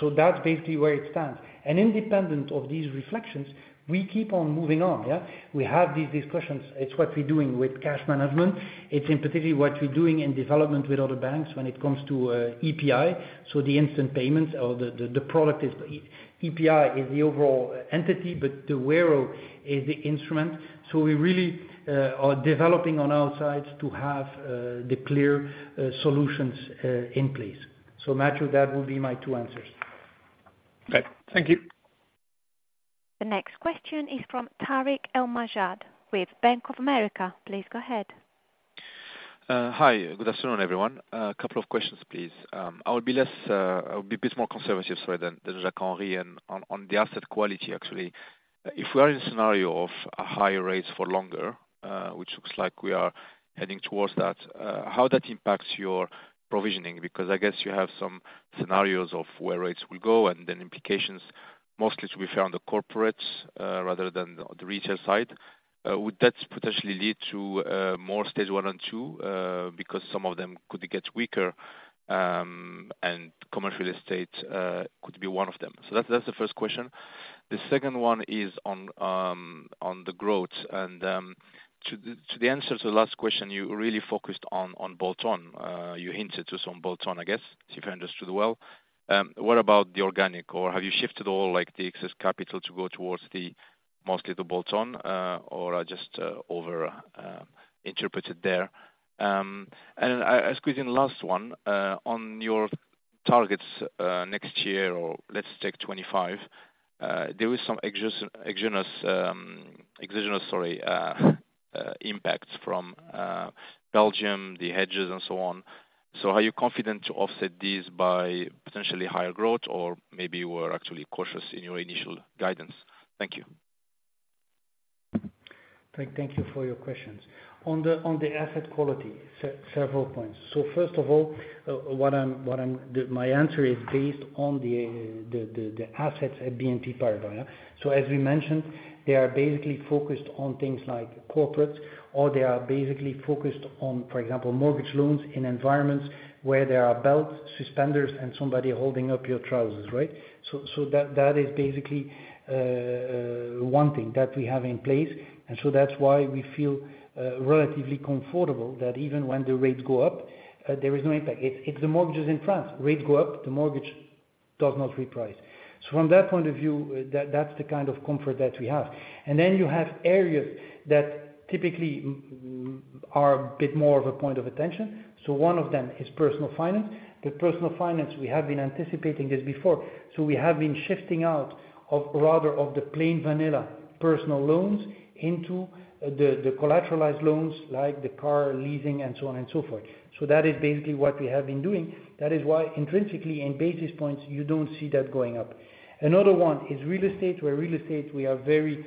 So that's basically where it stands. And independent of these reflections, we keep on moving on, yeah? We have these discussions. It's what we're doing with cash management. It's in particular what we're doing in development with other banks when it comes to EPI. So the instant payments or the product is EPI is the overall entity, but the Wero is the instrument. So we really are developing on our sides to have the clear solutions in place. So Matthew, that will be my two answers. Okay, thank you. The next question is from Tarik El Mejjad, with Bank of America. Please go ahead. Hi. Good afternoon, everyone. A couple of questions, please. I'll be less. I'll be a bit more conservative, sorry, than Jacques-Henri on the asset quality, actually. If we are in a scenario of higher rates for longer, which looks like we are heading towards that, how that impacts your provisioning? Because I guess you have some scenarios of where rates will go, and then implications, mostly to be found on the corporates, rather than the retail side. Would that potentially lead to more Stage one and two, because some of them could get weaker, and commercial Real Estate could be one of them? So that's the first question. The second one is on the growth, and to the answer to the last question, you really focused on bolt-on. You hinted to some bolt-on, I guess, if I understood well. What about the organic, or have you shifted all, like, the excess capital to go towards the, mostly the bolt-on, or I just over interpreted there? I squeeze in last one, on your targets, next year, or let's take 2025. There is some exogenous, sorry, impacts from Belgium, the hedges and so on. So are you confident to offset these by potentially higher growth, or maybe you were actually cautious in your initial guidance? Thank you. Thank you for your questions. On the asset quality, several points. So first of all, what I'm my answer is based on the assets at BNP Paribas, yeah? So as we mentioned, they are basically focused on things like corporates, or they are basically focused on, for example, mortgage loans in environments where there are belts, suspenders, and somebody holding up your trousers, right? So that is basically one thing that we have in place, and so that's why we feel relatively comfortable that even when the rates go up, there is no impact. It's the mortgages in France. Rates go up, the mortgage does not reprice. So from that point of view, that's the kind of comfort that we have. And then you have areas that typically are a bit more of a point of attention. So one of them is Personal Finance. The Personal Finance, we have been anticipating this before. So we have been shifting out of, rather, of the plain vanilla personal loans into the, the collateralized loans, like the car leasing and so on and so forth. So that is basically what we have been doing. That is why intrinsically in basis points, you don't see that going up. Another one is Real Estate, where Real Estate, we are very,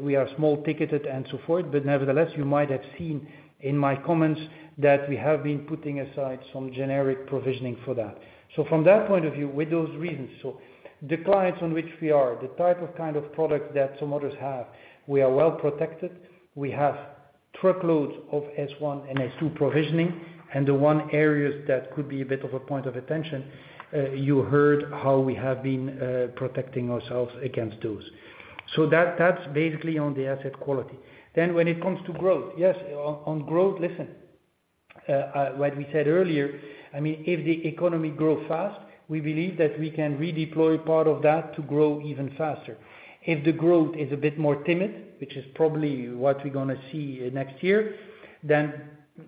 we are small ticketed and so forth, but nevertheless, you might have seen in my comments that we have been putting aside some generic provisioning for that. So from that point of view, with those reasons, so the clients on which we are, the type of kind of products that some others have, we are well protected. We have truckloads of S1 and S2 provisioning, and the one areas that could be a bit of a point of attention, you heard how we have been protecting ourselves against those. So that, that's basically on the asset quality. Then when it comes to growth, yes, on growth, listen. what we said earlier, I mean, if the economy grow fast, we believe that we can redeploy part of that to grow even faster. If the growth is a bit more timid, which is probably what we're gonna see next year, then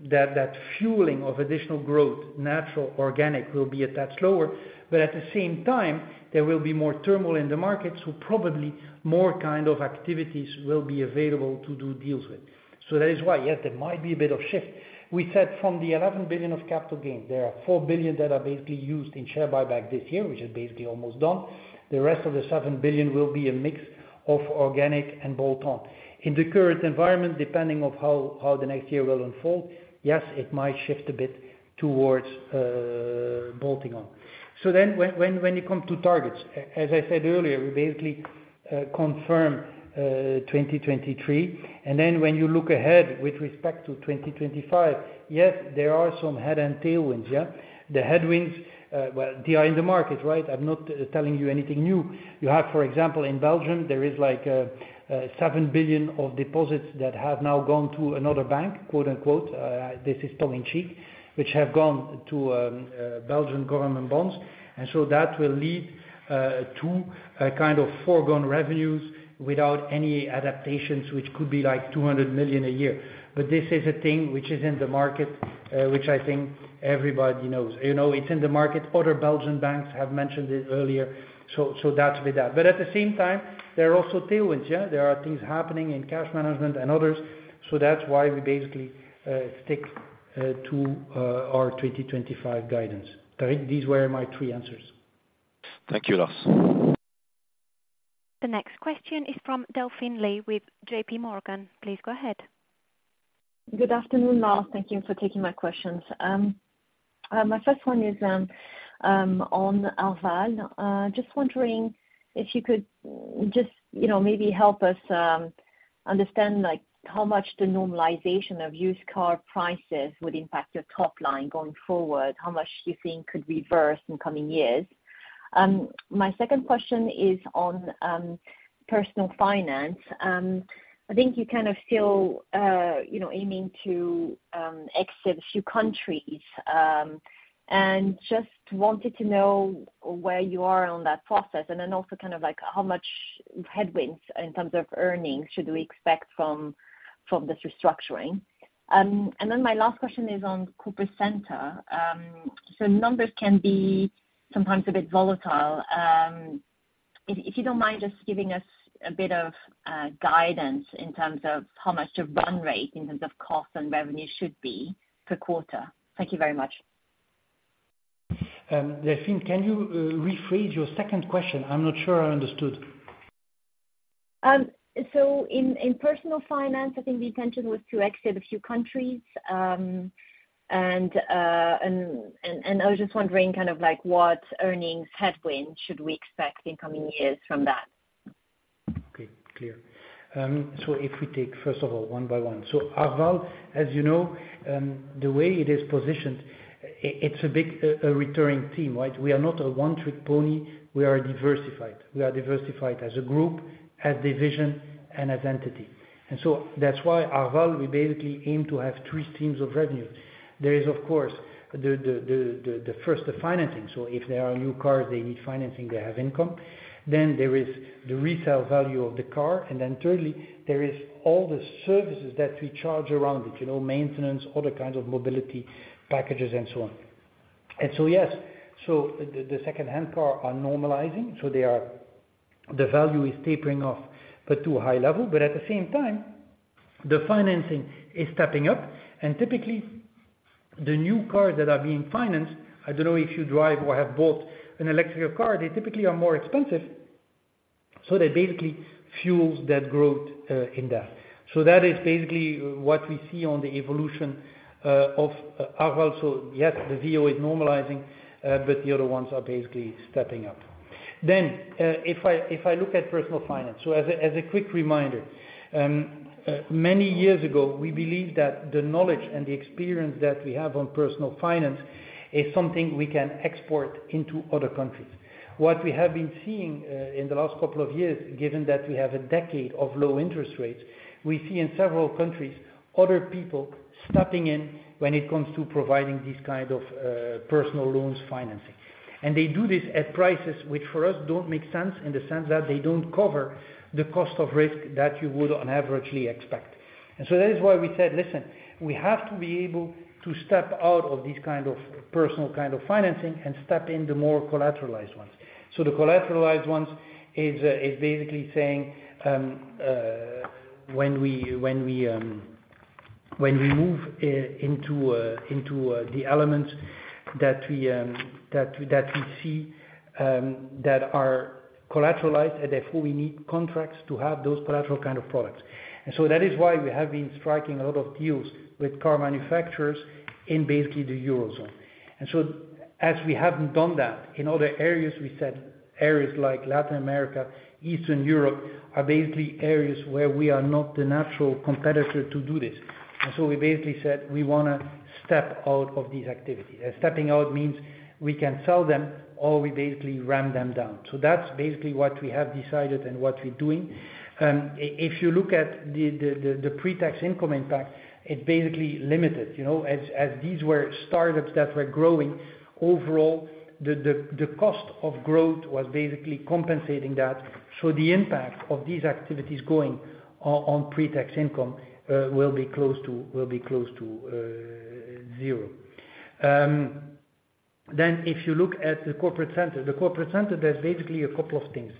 that, that fueling of additional growth, natural, organic, will be a tad slower. But at the same time, there will be more turmoil in the market, so probably more kind of activities will be available to do deals with. So that is why, yes, there might be a bit of shift. We said from the 11 billion of capital gains, there are 4 billion that are basically used in share buyback this year, which is basically almost done. The rest of the 7 billion will be a mix of organic and bolt-on. In the current environment, depending on how the next year will unfold, yes, it might shift a bit towards bolting on. So then when it come to targets, as I said earlier, we basically confirm 2023. And then when you look ahead with respect to 2025, yes, there are some head and tailwinds, yeah. The headwinds, well, they are in the market, right? I'm not telling you anything new. You have, for example, in Belgium, there is like seven billion of deposits that have now gone to another bank, quote, unquote, this is tongue in cheek, which have gone to Belgian government bonds. And so that will lead to kind of foregone revenues without any adaptations, which could be like 200 million a year. But this is a thing which is in the market, which I think everybody knows. You know, it's in the market. Other Belgian banks have mentioned it earlier, so, so that's with that. But at the same time, there are also tailwinds, yeah. There are things happening in cash management and others, so that's why we basically stick to our 2025 guidance. Correct, these were my three answers. Thank you, Lars. The next question is from Delphine Lee with JPMorgan. Please go ahead. Good afternoon, Lars. Thank you for taking my questions. My first one is on Arval. Just wondering if you could just, you know, maybe help us understand, like, how much the normalization of used car prices would impact your top line going forward, how much you think could reverse in coming years? My second question is on Personal Finance. I think you kind of feel, you know, aiming to exit a few countries And just wanted to know where you are on that process, and then also kind of like how much headwinds in terms of earnings should we expect from this restructuring. And then my last question is on CIB. So numbers can be sometimes a bit volatile. If you don't mind just giving us a bit of guidance in terms of how much the run rate in terms of cost and revenue should be per quarter. Thank you very much. Delphine, can you rephrase your second question? I'm not sure I understood. In Personal Finance, I think the intention was to exit a few countries. I was just wondering, kind of like, what earnings headwind should we expect in coming years from that? Okay, clear. So if we take, first of all, one by one. So Arval, as you know, the way it is positioned, it's a big returning team, right? We are not a one-trick pony, we are diversified. We are diversified as a group, as division, and as entity. And so that's why, Arval, we basically aim to have three streams of revenue. There is, of course, the first, the financing. So if there are new cars, they need financing, they have income. Then there is the resale value of the car, and then thirdly, there is all the services that we charge around it, you know, maintenance, other kinds of mobility packages and so on. And so, yes, so the secondhand car are normalizing, so they are the value is tapering off, but to a high level. But at the same time, the financing is stepping up, and typically, the new cars that are being financed, I don't know if you drive or have bought an electric car, they typically are more expensive, so they basically fuels that growth in that. So that is basically what we see on the evolution of Arval. So yes, the VO is normalizing, but the other ones are basically stepping up. Then if I look at Personal Finance, so as a quick reminder, many years ago, we believed that the knowledge and the experience that we have on Personal Finance is something we can export into other countries. What we have been seeing in the last couple of years, given that we have a decade of low interest rates, we see in several countries other people stepping in when it comes to providing these kind of personal loans financing. And they do this at prices which for us don't make sense, in the sense that they don't cover the Cost of Risk that you would on averagely expect. And so that is why we said, "Listen, we have to be able to step out of these kind of personal kind of financing, and step in the more collateralized ones." So the collateralized ones is basically saying, when we move into the elements that we see that are collateralized, and therefore we need contracts to have those collateral kind of products. And so that is why we have been striking a lot of deals with car manufacturers in basically the Eurozone. And so, as we haven't done that in other areas, we said areas like Latin America, Eastern Europe, are basically areas where we are not the natural competitor to do this. And so we basically said, we wanna step out of these activities. Stepping out means we can sell them, or we basically ramp them down. So that's basically what we have decided and what we're doing. If you look at the pre-tax income impact, it's basically limited, you know, as these were startups that were growing. Overall, the cost of growth was basically compensating that. So the impact of these activities going on pre-tax income will be close to zero. Then if you look at the corporate center, the corporate center, there's basically a couple of things.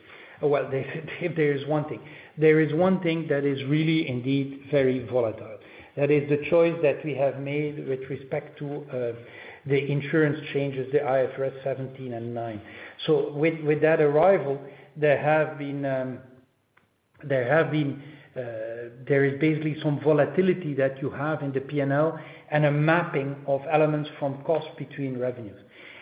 Well, there is one thing that is really indeed very volatile. That is the choice that we have made with respect to the Insurance changes, the IFRS 17 and 9. So with that arrival, there have been there is basically some volatility that you have in the P&L, and a mapping of elements from cost between revenues.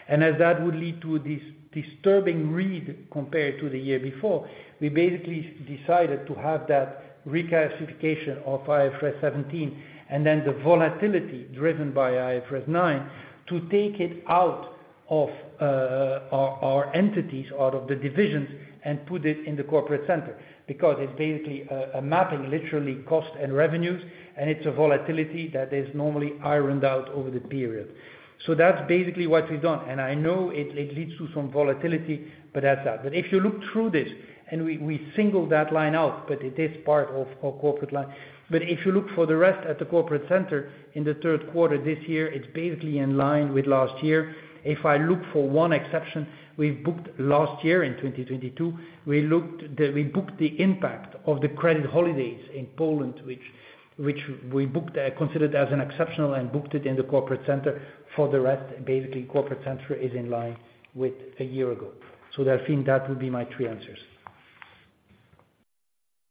And as that would lead to this disturbing read compared to the year before, we basically decided to have that reclassification of IFRS 17, and then the volatility driven by IFRS 9, to take it out of our entities, out of the divisions, and put it in the corporate center. Because it's basically a mapping, literally cost and revenues, and it's a volatility that is normally ironed out over the period. So that's basically what we've done, and I know it leads to some volatility, but that's that. But if you look through this, and we single that line out, but it is part of corporate line. But if you look for the rest at the corporate center in the third quarter this year, it's basically in line with last year. If I look for one exception, we've booked last year, in 2022, we booked the impact of the credit holidays in Poland, which we considered as an exceptional and booked it in the corporate center. For the rest, basically, corporate center is in line with a year ago. So I think that would be my three answers.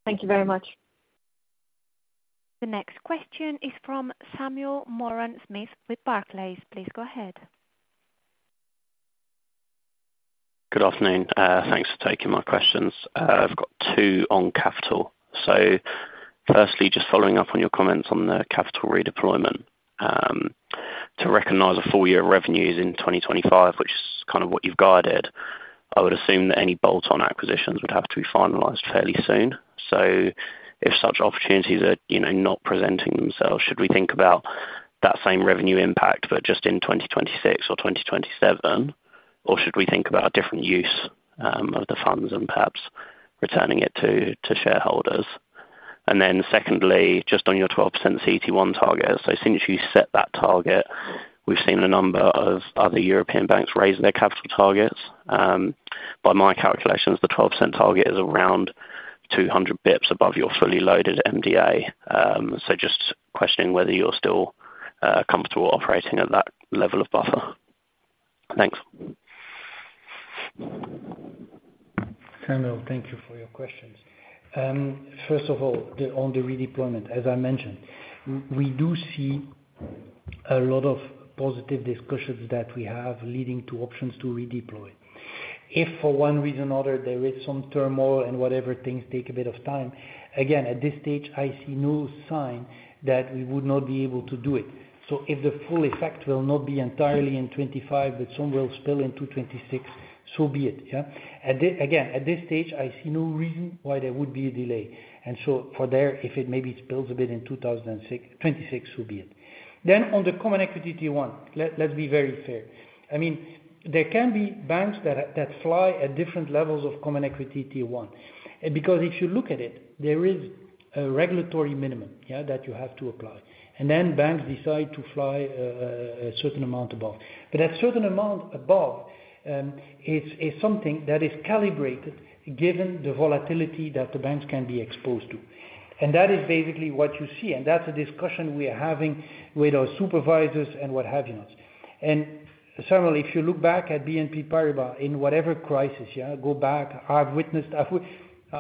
Thank you very much. The next question is from Samuel Maybury-Smith with Barclays. Please go ahead. Good afternoon. Thanks for taking my questions. I've got two on capital. Firstly, just following up on your comments on the capital redeployment. To recognize a full year of revenues in 2025, which is kind of what you've guided, I would assume that any bolt-on acquisitions would have to be finalized fairly soon. If such opportunities are, you know, not presenting themselves, should we think about that same revenue impact, but just in 2026 or 2027, or should we think about a different use of the funds and perhaps returning it to shareholders? And then secondly, just on your 12% CET1 target. Since you set that target, we've seen a number of other European banks raise their capital targets. By my calculations, the 12% target is around 200 basis points above your fully loaded MDA. So just questioning whether you're still comfortable operating at that level of buffer. Thanks. Samuel, thank you for your questions. First of all, on the redeployment, as I mentioned, we do see a lot of positive discussions that we have leading to options to redeploy. If for one reason or other, there is some turmoil and whatever, things take a bit of time, again, at this stage, I see no sign that we would not be able to do it. So if the full effect will not be entirely in 2025, but some will spill into 2026, so be it, yeah. At this stage, I see no reason why there would be a delay. And so for there, if it maybe spills a bit in 2026, so be it. Then on the Common Equity Tier 1, let's be very fair. I mean, there can be banks that fly at different levels of Common Equity Tier 1. Because if you look at it, there is a regulatory minimum, yeah, that you have to apply, and then banks decide to fly a certain amount above. But that certain amount above is something that is calibrated, given the volatility that the banks can be exposed to. And that is basically what you see, and that's a discussion we are having with our supervisors and what have you not. And Samuel, if you look back at BNP Paribas, in whatever crisis, yeah, go back, I've witnessed,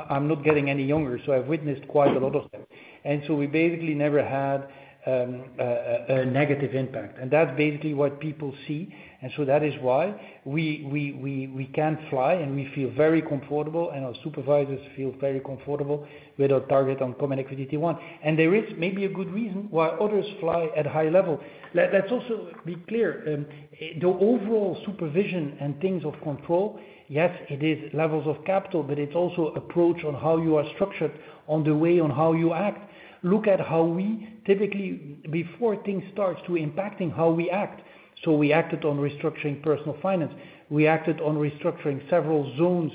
I'm not getting any younger, so I've witnessed quite a lot of them. And so we basically never had a negative impact. And that's basically what people see, and so that is why we can fly, and we feel very comfortable, and our supervisors feel very comfortable with our target on Common Equity Tier 1. And there is maybe a good reason why others fly at high level. Let's also be clear, the overall supervision and things of control, yes, it is levels of capital, but it's also approach on how you are structured, on the way on how you act. Look at how we typically, before things starts to impacting, how we act. So we acted on restructuring Personal Finance. We acted on restructuring several zones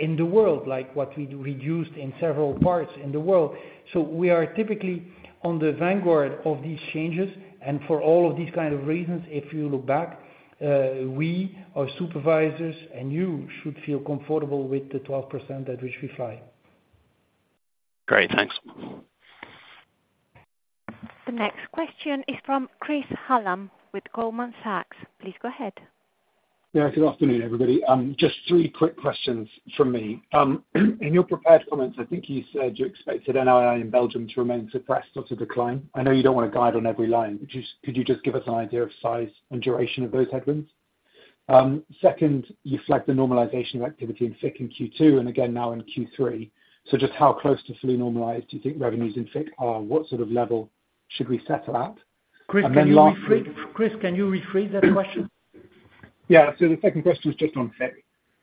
in the world, like what we reduced in several parts in the world. So we are typically on the vanguard of these changes, and for all of these kind of reasons, if you look back, we, our supervisors, and you should feel comfortable with the 12% at which we fly. Great. Thanks. The next question is from Chris Hallam with Goldman Sachs. Please go ahead. Yeah, good afternoon, everybody. Just three quick questions from me. In your prepared comments, I think you said you expected NII in Belgium to remain suppressed or to decline. I know you don't wanna guide on every line. Just, could you just give us an idea of size and duration of those headwinds? Second, you flagged the normalization of activity in FICC in Q2, and again now in Q3. So just how close to fully normalized do you think revenues in FICC are? What sort of level should we settle at? Chris, can you rephrase And then lastly Chris, can you rephrase that question? Yeah. So the second question is just on FICC.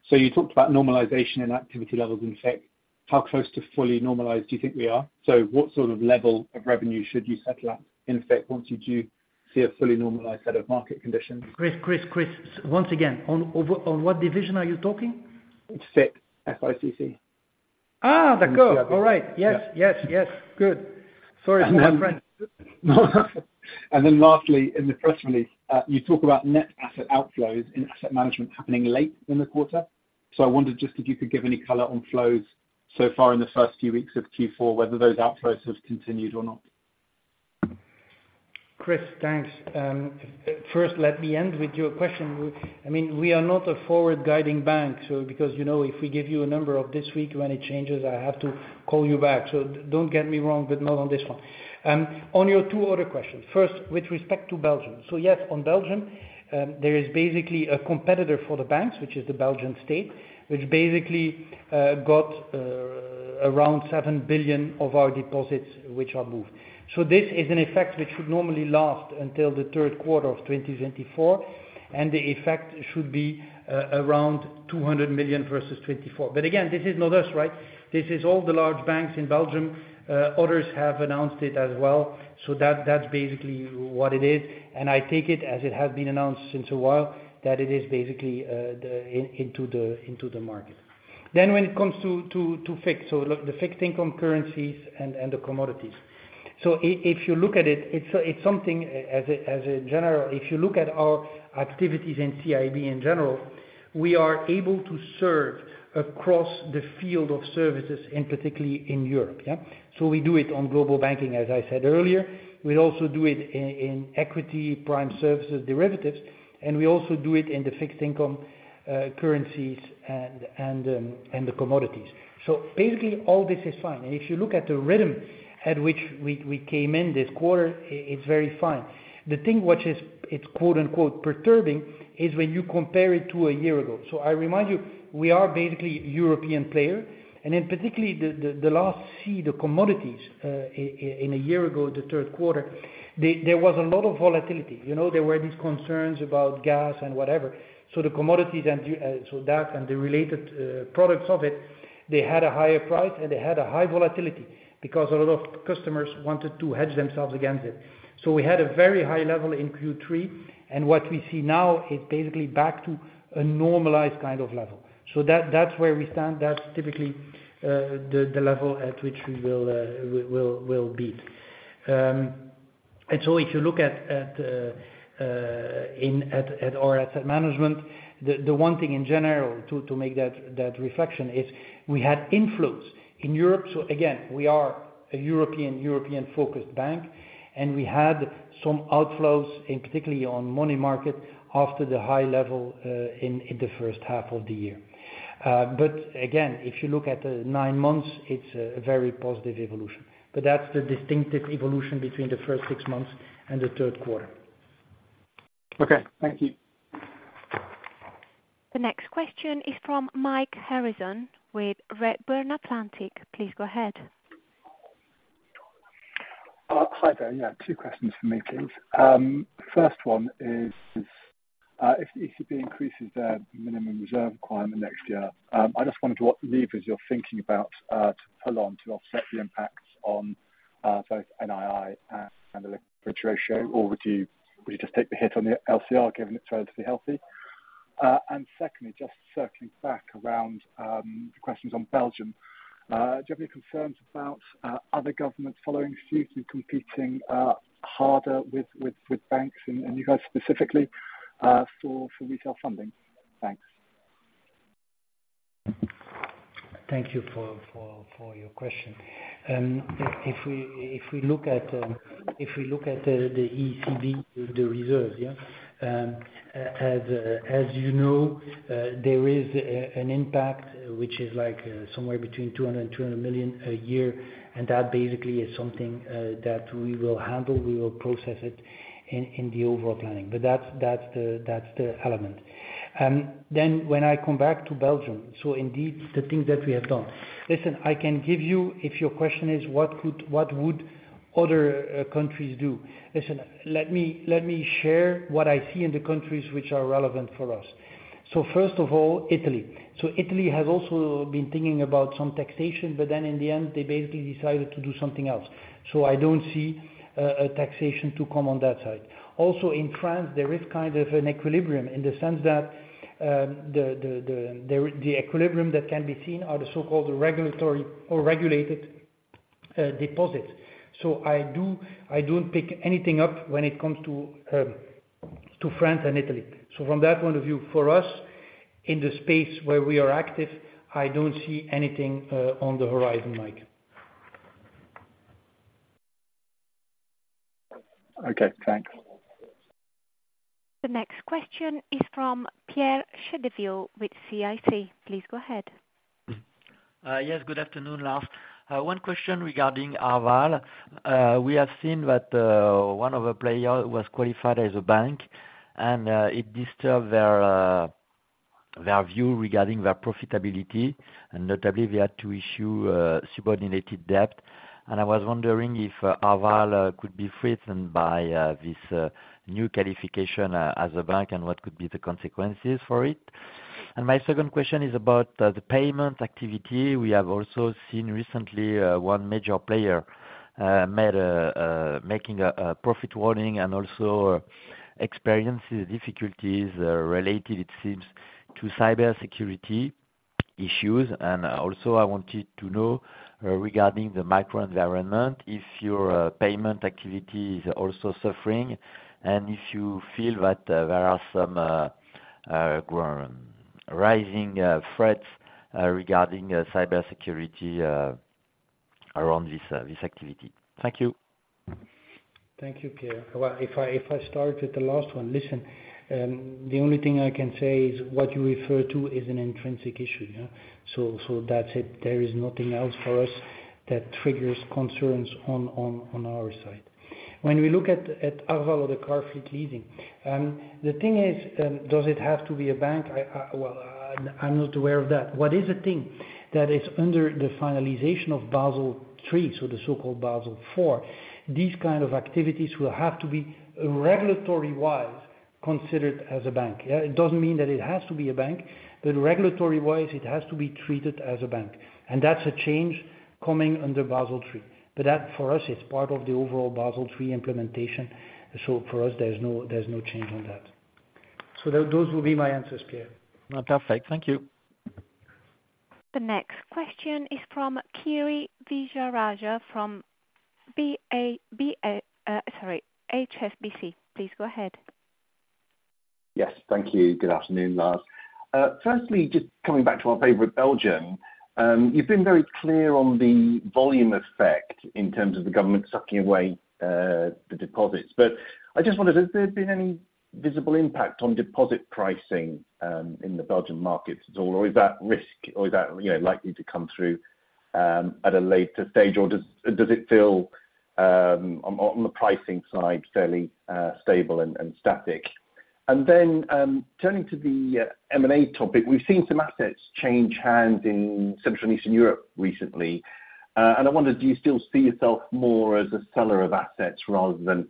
So you talked about normalization in activity levels in FICC. How close to fully normalized do you think we are? So what sort of level of revenue should you settle at, in FICC, once you do see a fully normalized set of market conditions? Chris, once again, on what division are you talking? FICC. F-I-C-C. Ah, that go! All right. Yes, yes, yes. Good. Sorry, my friend. And then lastly, in the press release, you talk about net asset outflows in Asset Management happening late in the quarter. So I wondered just if you could give any color on flows so far in the first few weeks of Q4, whether those outflows have continued or not. Chris, thanks. First, let me end with your question. I mean, we are not a forward-guiding bank, so because, you know, if we give you a number of this week, when it changes, I have to call you back. So don't get me wrong, but not on this one. On your two other questions, first, with respect to Belgium. So yes, on Belgium, there is basically a competitor for the banks, which is the Belgian state, which basically got around 7 billion of our deposits, which are moved. So this is an effect which should normally last until the third quarter of 2024, and the effect should be around 200 million versus 2024. But again, this is not us, right? This is all the large banks in Belgium. Others have announced it as well. So that's basically what it is, and I take it as it has been announced since a while, that it is basically into the market. Then when it comes to fixed income, currencies, and commodities. So if you look at it, it's something as a general. If you look at our activities in CIB in general, we are able to serve across the field of services, and particularly in Europe, yeah? So we do it Global Banking, as I said earlier. We also do it in equity, prime services, derivatives, and we also do it in the fixed income, currencies, and commodities. So basically, all this is fine. And if you look at the rhythm at which we came in this quarter, it's very fine. The thing which is, it's quote, unquote, perturbing, is when you compare it to a year ago. So I remind you, we are basically a European player, and in particular the last C, the commodities in a year ago, the third quarter, there was a lot of volatility. You know, there were these concerns about gas and whatever. So the commodities and so that and the related products of it, they had a higher price, and they had a high volatility because a lot of customers wanted to hedge themselves against it. So we had a very high level in Q3, and what we see now is basically back to a normalized kind of level. So that's where we stand. That's typically the level at which we will be. And so if you look at our Asset Management, the one thing in general to make that reflection is we had inflows in Europe. So again, we are a European-focused bank, and we had some outflows, particularly on money market, after the high level in the first half of the year. But again, if you look at the nine months, it's a very positive evolution. But that's the distinctive evolution between the first six months and the third quarter. Okay, thank you. The next question is from Mike Harrison with Redburn Atlantic. Please go ahead. Hi there. Yeah, two questions for me, please. First one is, if ECB increases their minimum reserve requirement next year, I just wondered what levers you're thinking about to pull on to offset the impacts on both NII and the liquid ratio, or would you, would you just take the hit on the LCR, given it's relatively healthy? And secondly, just circling back around, the questions on Belgium, do you have any concerns about other governments following suit and competing harder with, with, with banks and, and you guys specifically for, for retail funding? Thanks. Thank you for your question. If we look at the ECB reserves, yeah, as you know, there is an impact, which is like somewhere between 200 and 200 million a year, and that basically is something that we will handle, we will process it in the overall planning. But that's the element. Then when I come back to Belgium, so indeed, the things that we have done. Listen, I can give you, if your question is, what could what would other countries do? Listen, let me share what I see in the countries which are relevant for us. So first of all, Italy. So Italy has also been thinking about some taxation, but then in the end, they basically decided to do something else. So I don't see a taxation to come on that side. Also, in France, there is kind of an equilibrium in the sense that the equilibrium that can be seen are the so-called regulatory or regulated deposits. So I don't pick anything up when it comes to France and Italy. So from that point of view, for us, in the space where we are active, I don't see anything on the horizon, Mike. Okay, thanks. The next question is from Pierre Chédeville with CIC. Please go ahead. Yes, good afternoon, Lars. One question regarding Arval. We have seen that one of the players was qualified as a bank, and it disturbed their view regarding their profitability, and notably, they had to issue subordinated debt. And I was wondering if Arval could be threatened by this new qualification as a bank, and what could be the consequences for it? And my second question is about the payment activity. We have also seen recently one major player making a profit warning and also experiences difficulties related, it seems, to cybersecurity issues. And, also, I wanted to know, regarding the microenvironment, if your payment activity is also suffering, and if you feel that there are some growing, rising threats regarding cybersecurity around this activity. Thank you. Thank you, Pierre. Well, if I start with the last one, listen, the only thing I can say is what you refer to is an intrinsic issue, yeah? So that's it. There is nothing else for us that triggers concerns on our side. When we look at Arval, the car fleet leasing, the thing is, does it have to be a bank? Well, I'm not aware of that. What is a thing that is under the finalization of Basel III, so the so-called Basel IV These kind of activities will have to be, regulatory-wise, considered as a bank. It doesn't mean that it has to be a bank, but regulatory-wise, it has to be treated as a bank, and that's a change coming under Basel III. But that, for us, it's part of the overall Basel III implementation, so for us, there's no, there's no change on that. So those will be my answers, Pierre. Perfect. Thank you. The next question is from Kiri Vijayarajah, from B-A, B-A, sorry, HSBC. Please go ahead. Yes, thank you. Good afternoon, Lars. Firstly, just coming back to our favorite, Belgium, you've been very clear on the volume effect in terms of the government sucking away, the deposits. But I just wondered, has there been any visible impact on deposit pricing, in the Belgian markets at all, or is that risk, or is that, you know, likely to come through, at a later stage? Or does, does it feel, on, on the pricing side, fairly, stable and, and static? And then, turning to the, M&A topic, we've seen some assets change hands in Central and Eastern Europe recently. And I wondered, do you still see yourself more as a seller of assets rather than,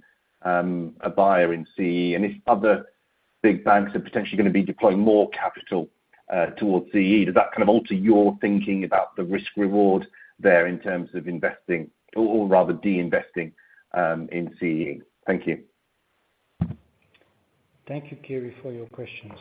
a buyer in CEE? If other big banks are potentially gonna be deploying more capital towards CEE, does that kind of alter your thinking about the risk-reward there, in terms of investing or, or rather de-investing, in CEE? Thank you. Thank you, Kiri, for your questions.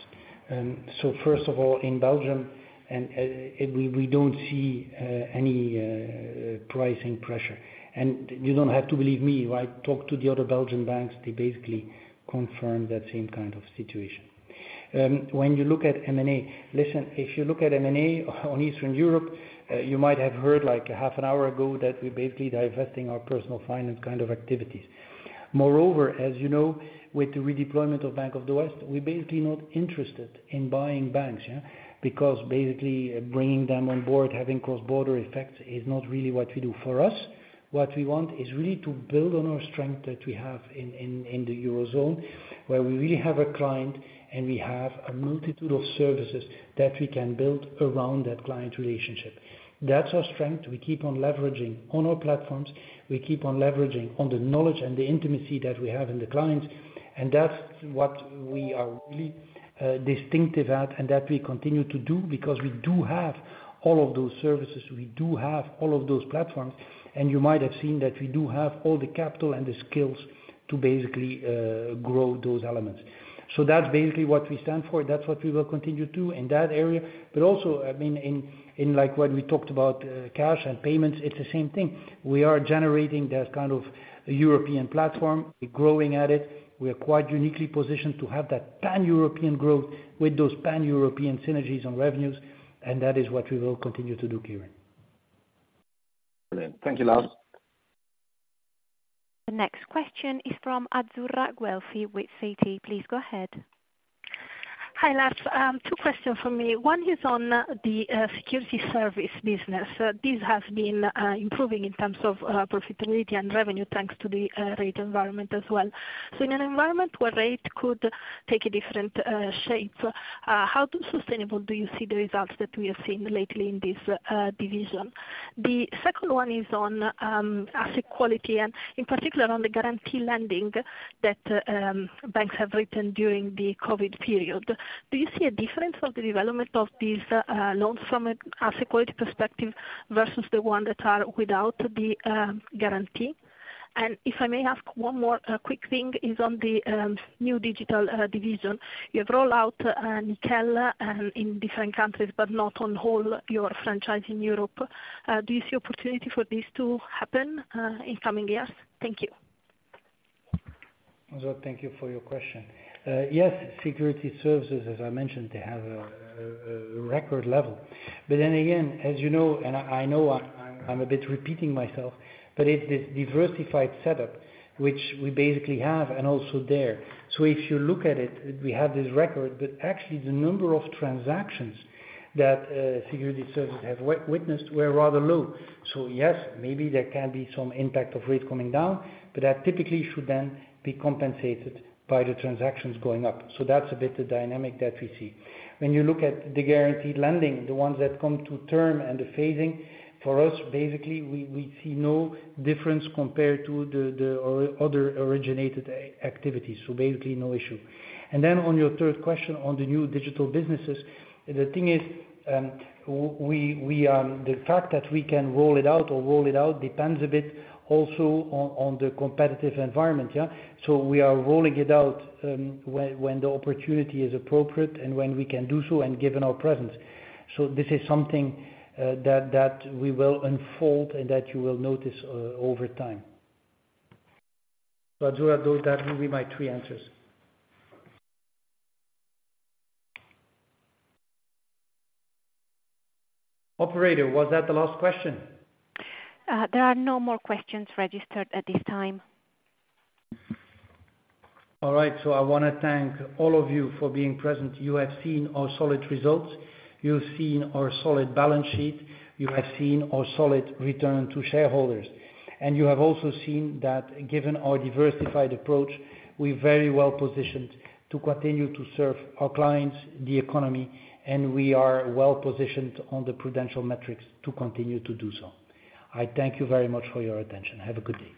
So first of all, in Belgium, we don't see any pricing pressure. You don't have to believe me, right? Talk to the other Belgian banks, they basically confirm that same kind of situation. When you look at M&A, listen, if you look at M&A on Eastern Europe, you might have heard, like, a half an hour ago, that we're basically divesting our Personal Finance kind of activities. Moreover, as you know, with the redeployment of Bank of the West, we're basically not interested in buying banks, yeah? Because basically, bringing them on board, having cross-border effects, is not really what we do. For us, what we want is really to build on our strength that we have in the Eurozone, where we really have a client, and we have a multitude of services that we can build around that client relationship. That's our strength. We keep on leveraging on our platforms. We keep on leveraging on the knowledge and the intimacy that we have in the clients, and that's what we are really distinctive at, and that we continue to do, because we do have all of those services, we do have all of those platforms. And you might have seen that we do have all the capital and the skills to basically grow those elements. So that's basically what we stand for, and that's what we will continue to in that area. But also, I mean, in like what we talked about, cash and payments, it's the same thing. We are generating this kind of European platform, we're growing at it. We are quite uniquely positioned to have that pan-European growth with those pan-European synergies on revenues, and that is what we will continue to do, Kiri. Brilliant. Thank you, Lars. The next question is from Azzurra Guelfi with Citi. Please go ahead. Hi, Lars. Two questions from me. One is on the Securities Services business. This has been improving in terms of profitability and revenue, thanks to the rate environment as well. So in an environment where rate could take a different shape, how sustainable do you see the results that we have seen lately in this division? The second one is on asset quality, and in particular, on the guarantee lending that banks have written during the COVID period. Do you see a difference of the development of these loans from an asset quality perspective versus the ones that are without the guarantee? And if I may ask one more quick thing, is on the new digital division. You have rolled out Nickel in different countries, but not on your whole franchise in Europe. Do you see opportunity for this to happen in coming years? Thank you. Azzurra, thank you for your question. Yes, Securities Services, as I mentioned, they have a record level. But then again, as you know, and I know I'm a bit repeating myself, but it's this diversified setup, which we basically have and also there. So if you look at it, we have this record, but actually, the number of transactions that Securities Services have witnessed were rather low. So yes, maybe there can be some impact of rate coming down, but that typically should then be compensated by the transactions going up. So that's a bit the dynamic that we see. When you look at the guaranteed lending, the ones that come to term and the phasing, for us, basically, we see no difference compared to the other originated activities, so basically no issue. And then on your third question, on the Personal Investors, the thing is, we the fact that we can roll it out or roll it out, depends a bit also on, on the competitive environment, yeah? So we are rolling it out, when, when the opportunity is appropriate and when we can do so, and given our presence. So this is something, that, that we will unfold and that you will notice over time. Azzurra, those, that will be my three answers. Operator, was that the last question? There are no more questions registered at this time. All right. So I wanna thank all of you for being present. You have seen our solid results, you've seen our solid balance sheet, you have seen our solid return to shareholders. And you have also seen that given our diversified approach, we're very well positioned to continue to serve our clients, the economy, and we are well positioned on the prudential metrics to continue to do so. I thank you very much for your attention. Have a good day.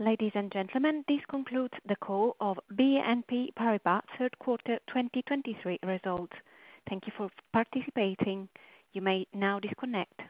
Ladies and gentlemen, this concludes the call of BNP Paribas third quarter 2023 results. Thank you for participating. You may now disconnect.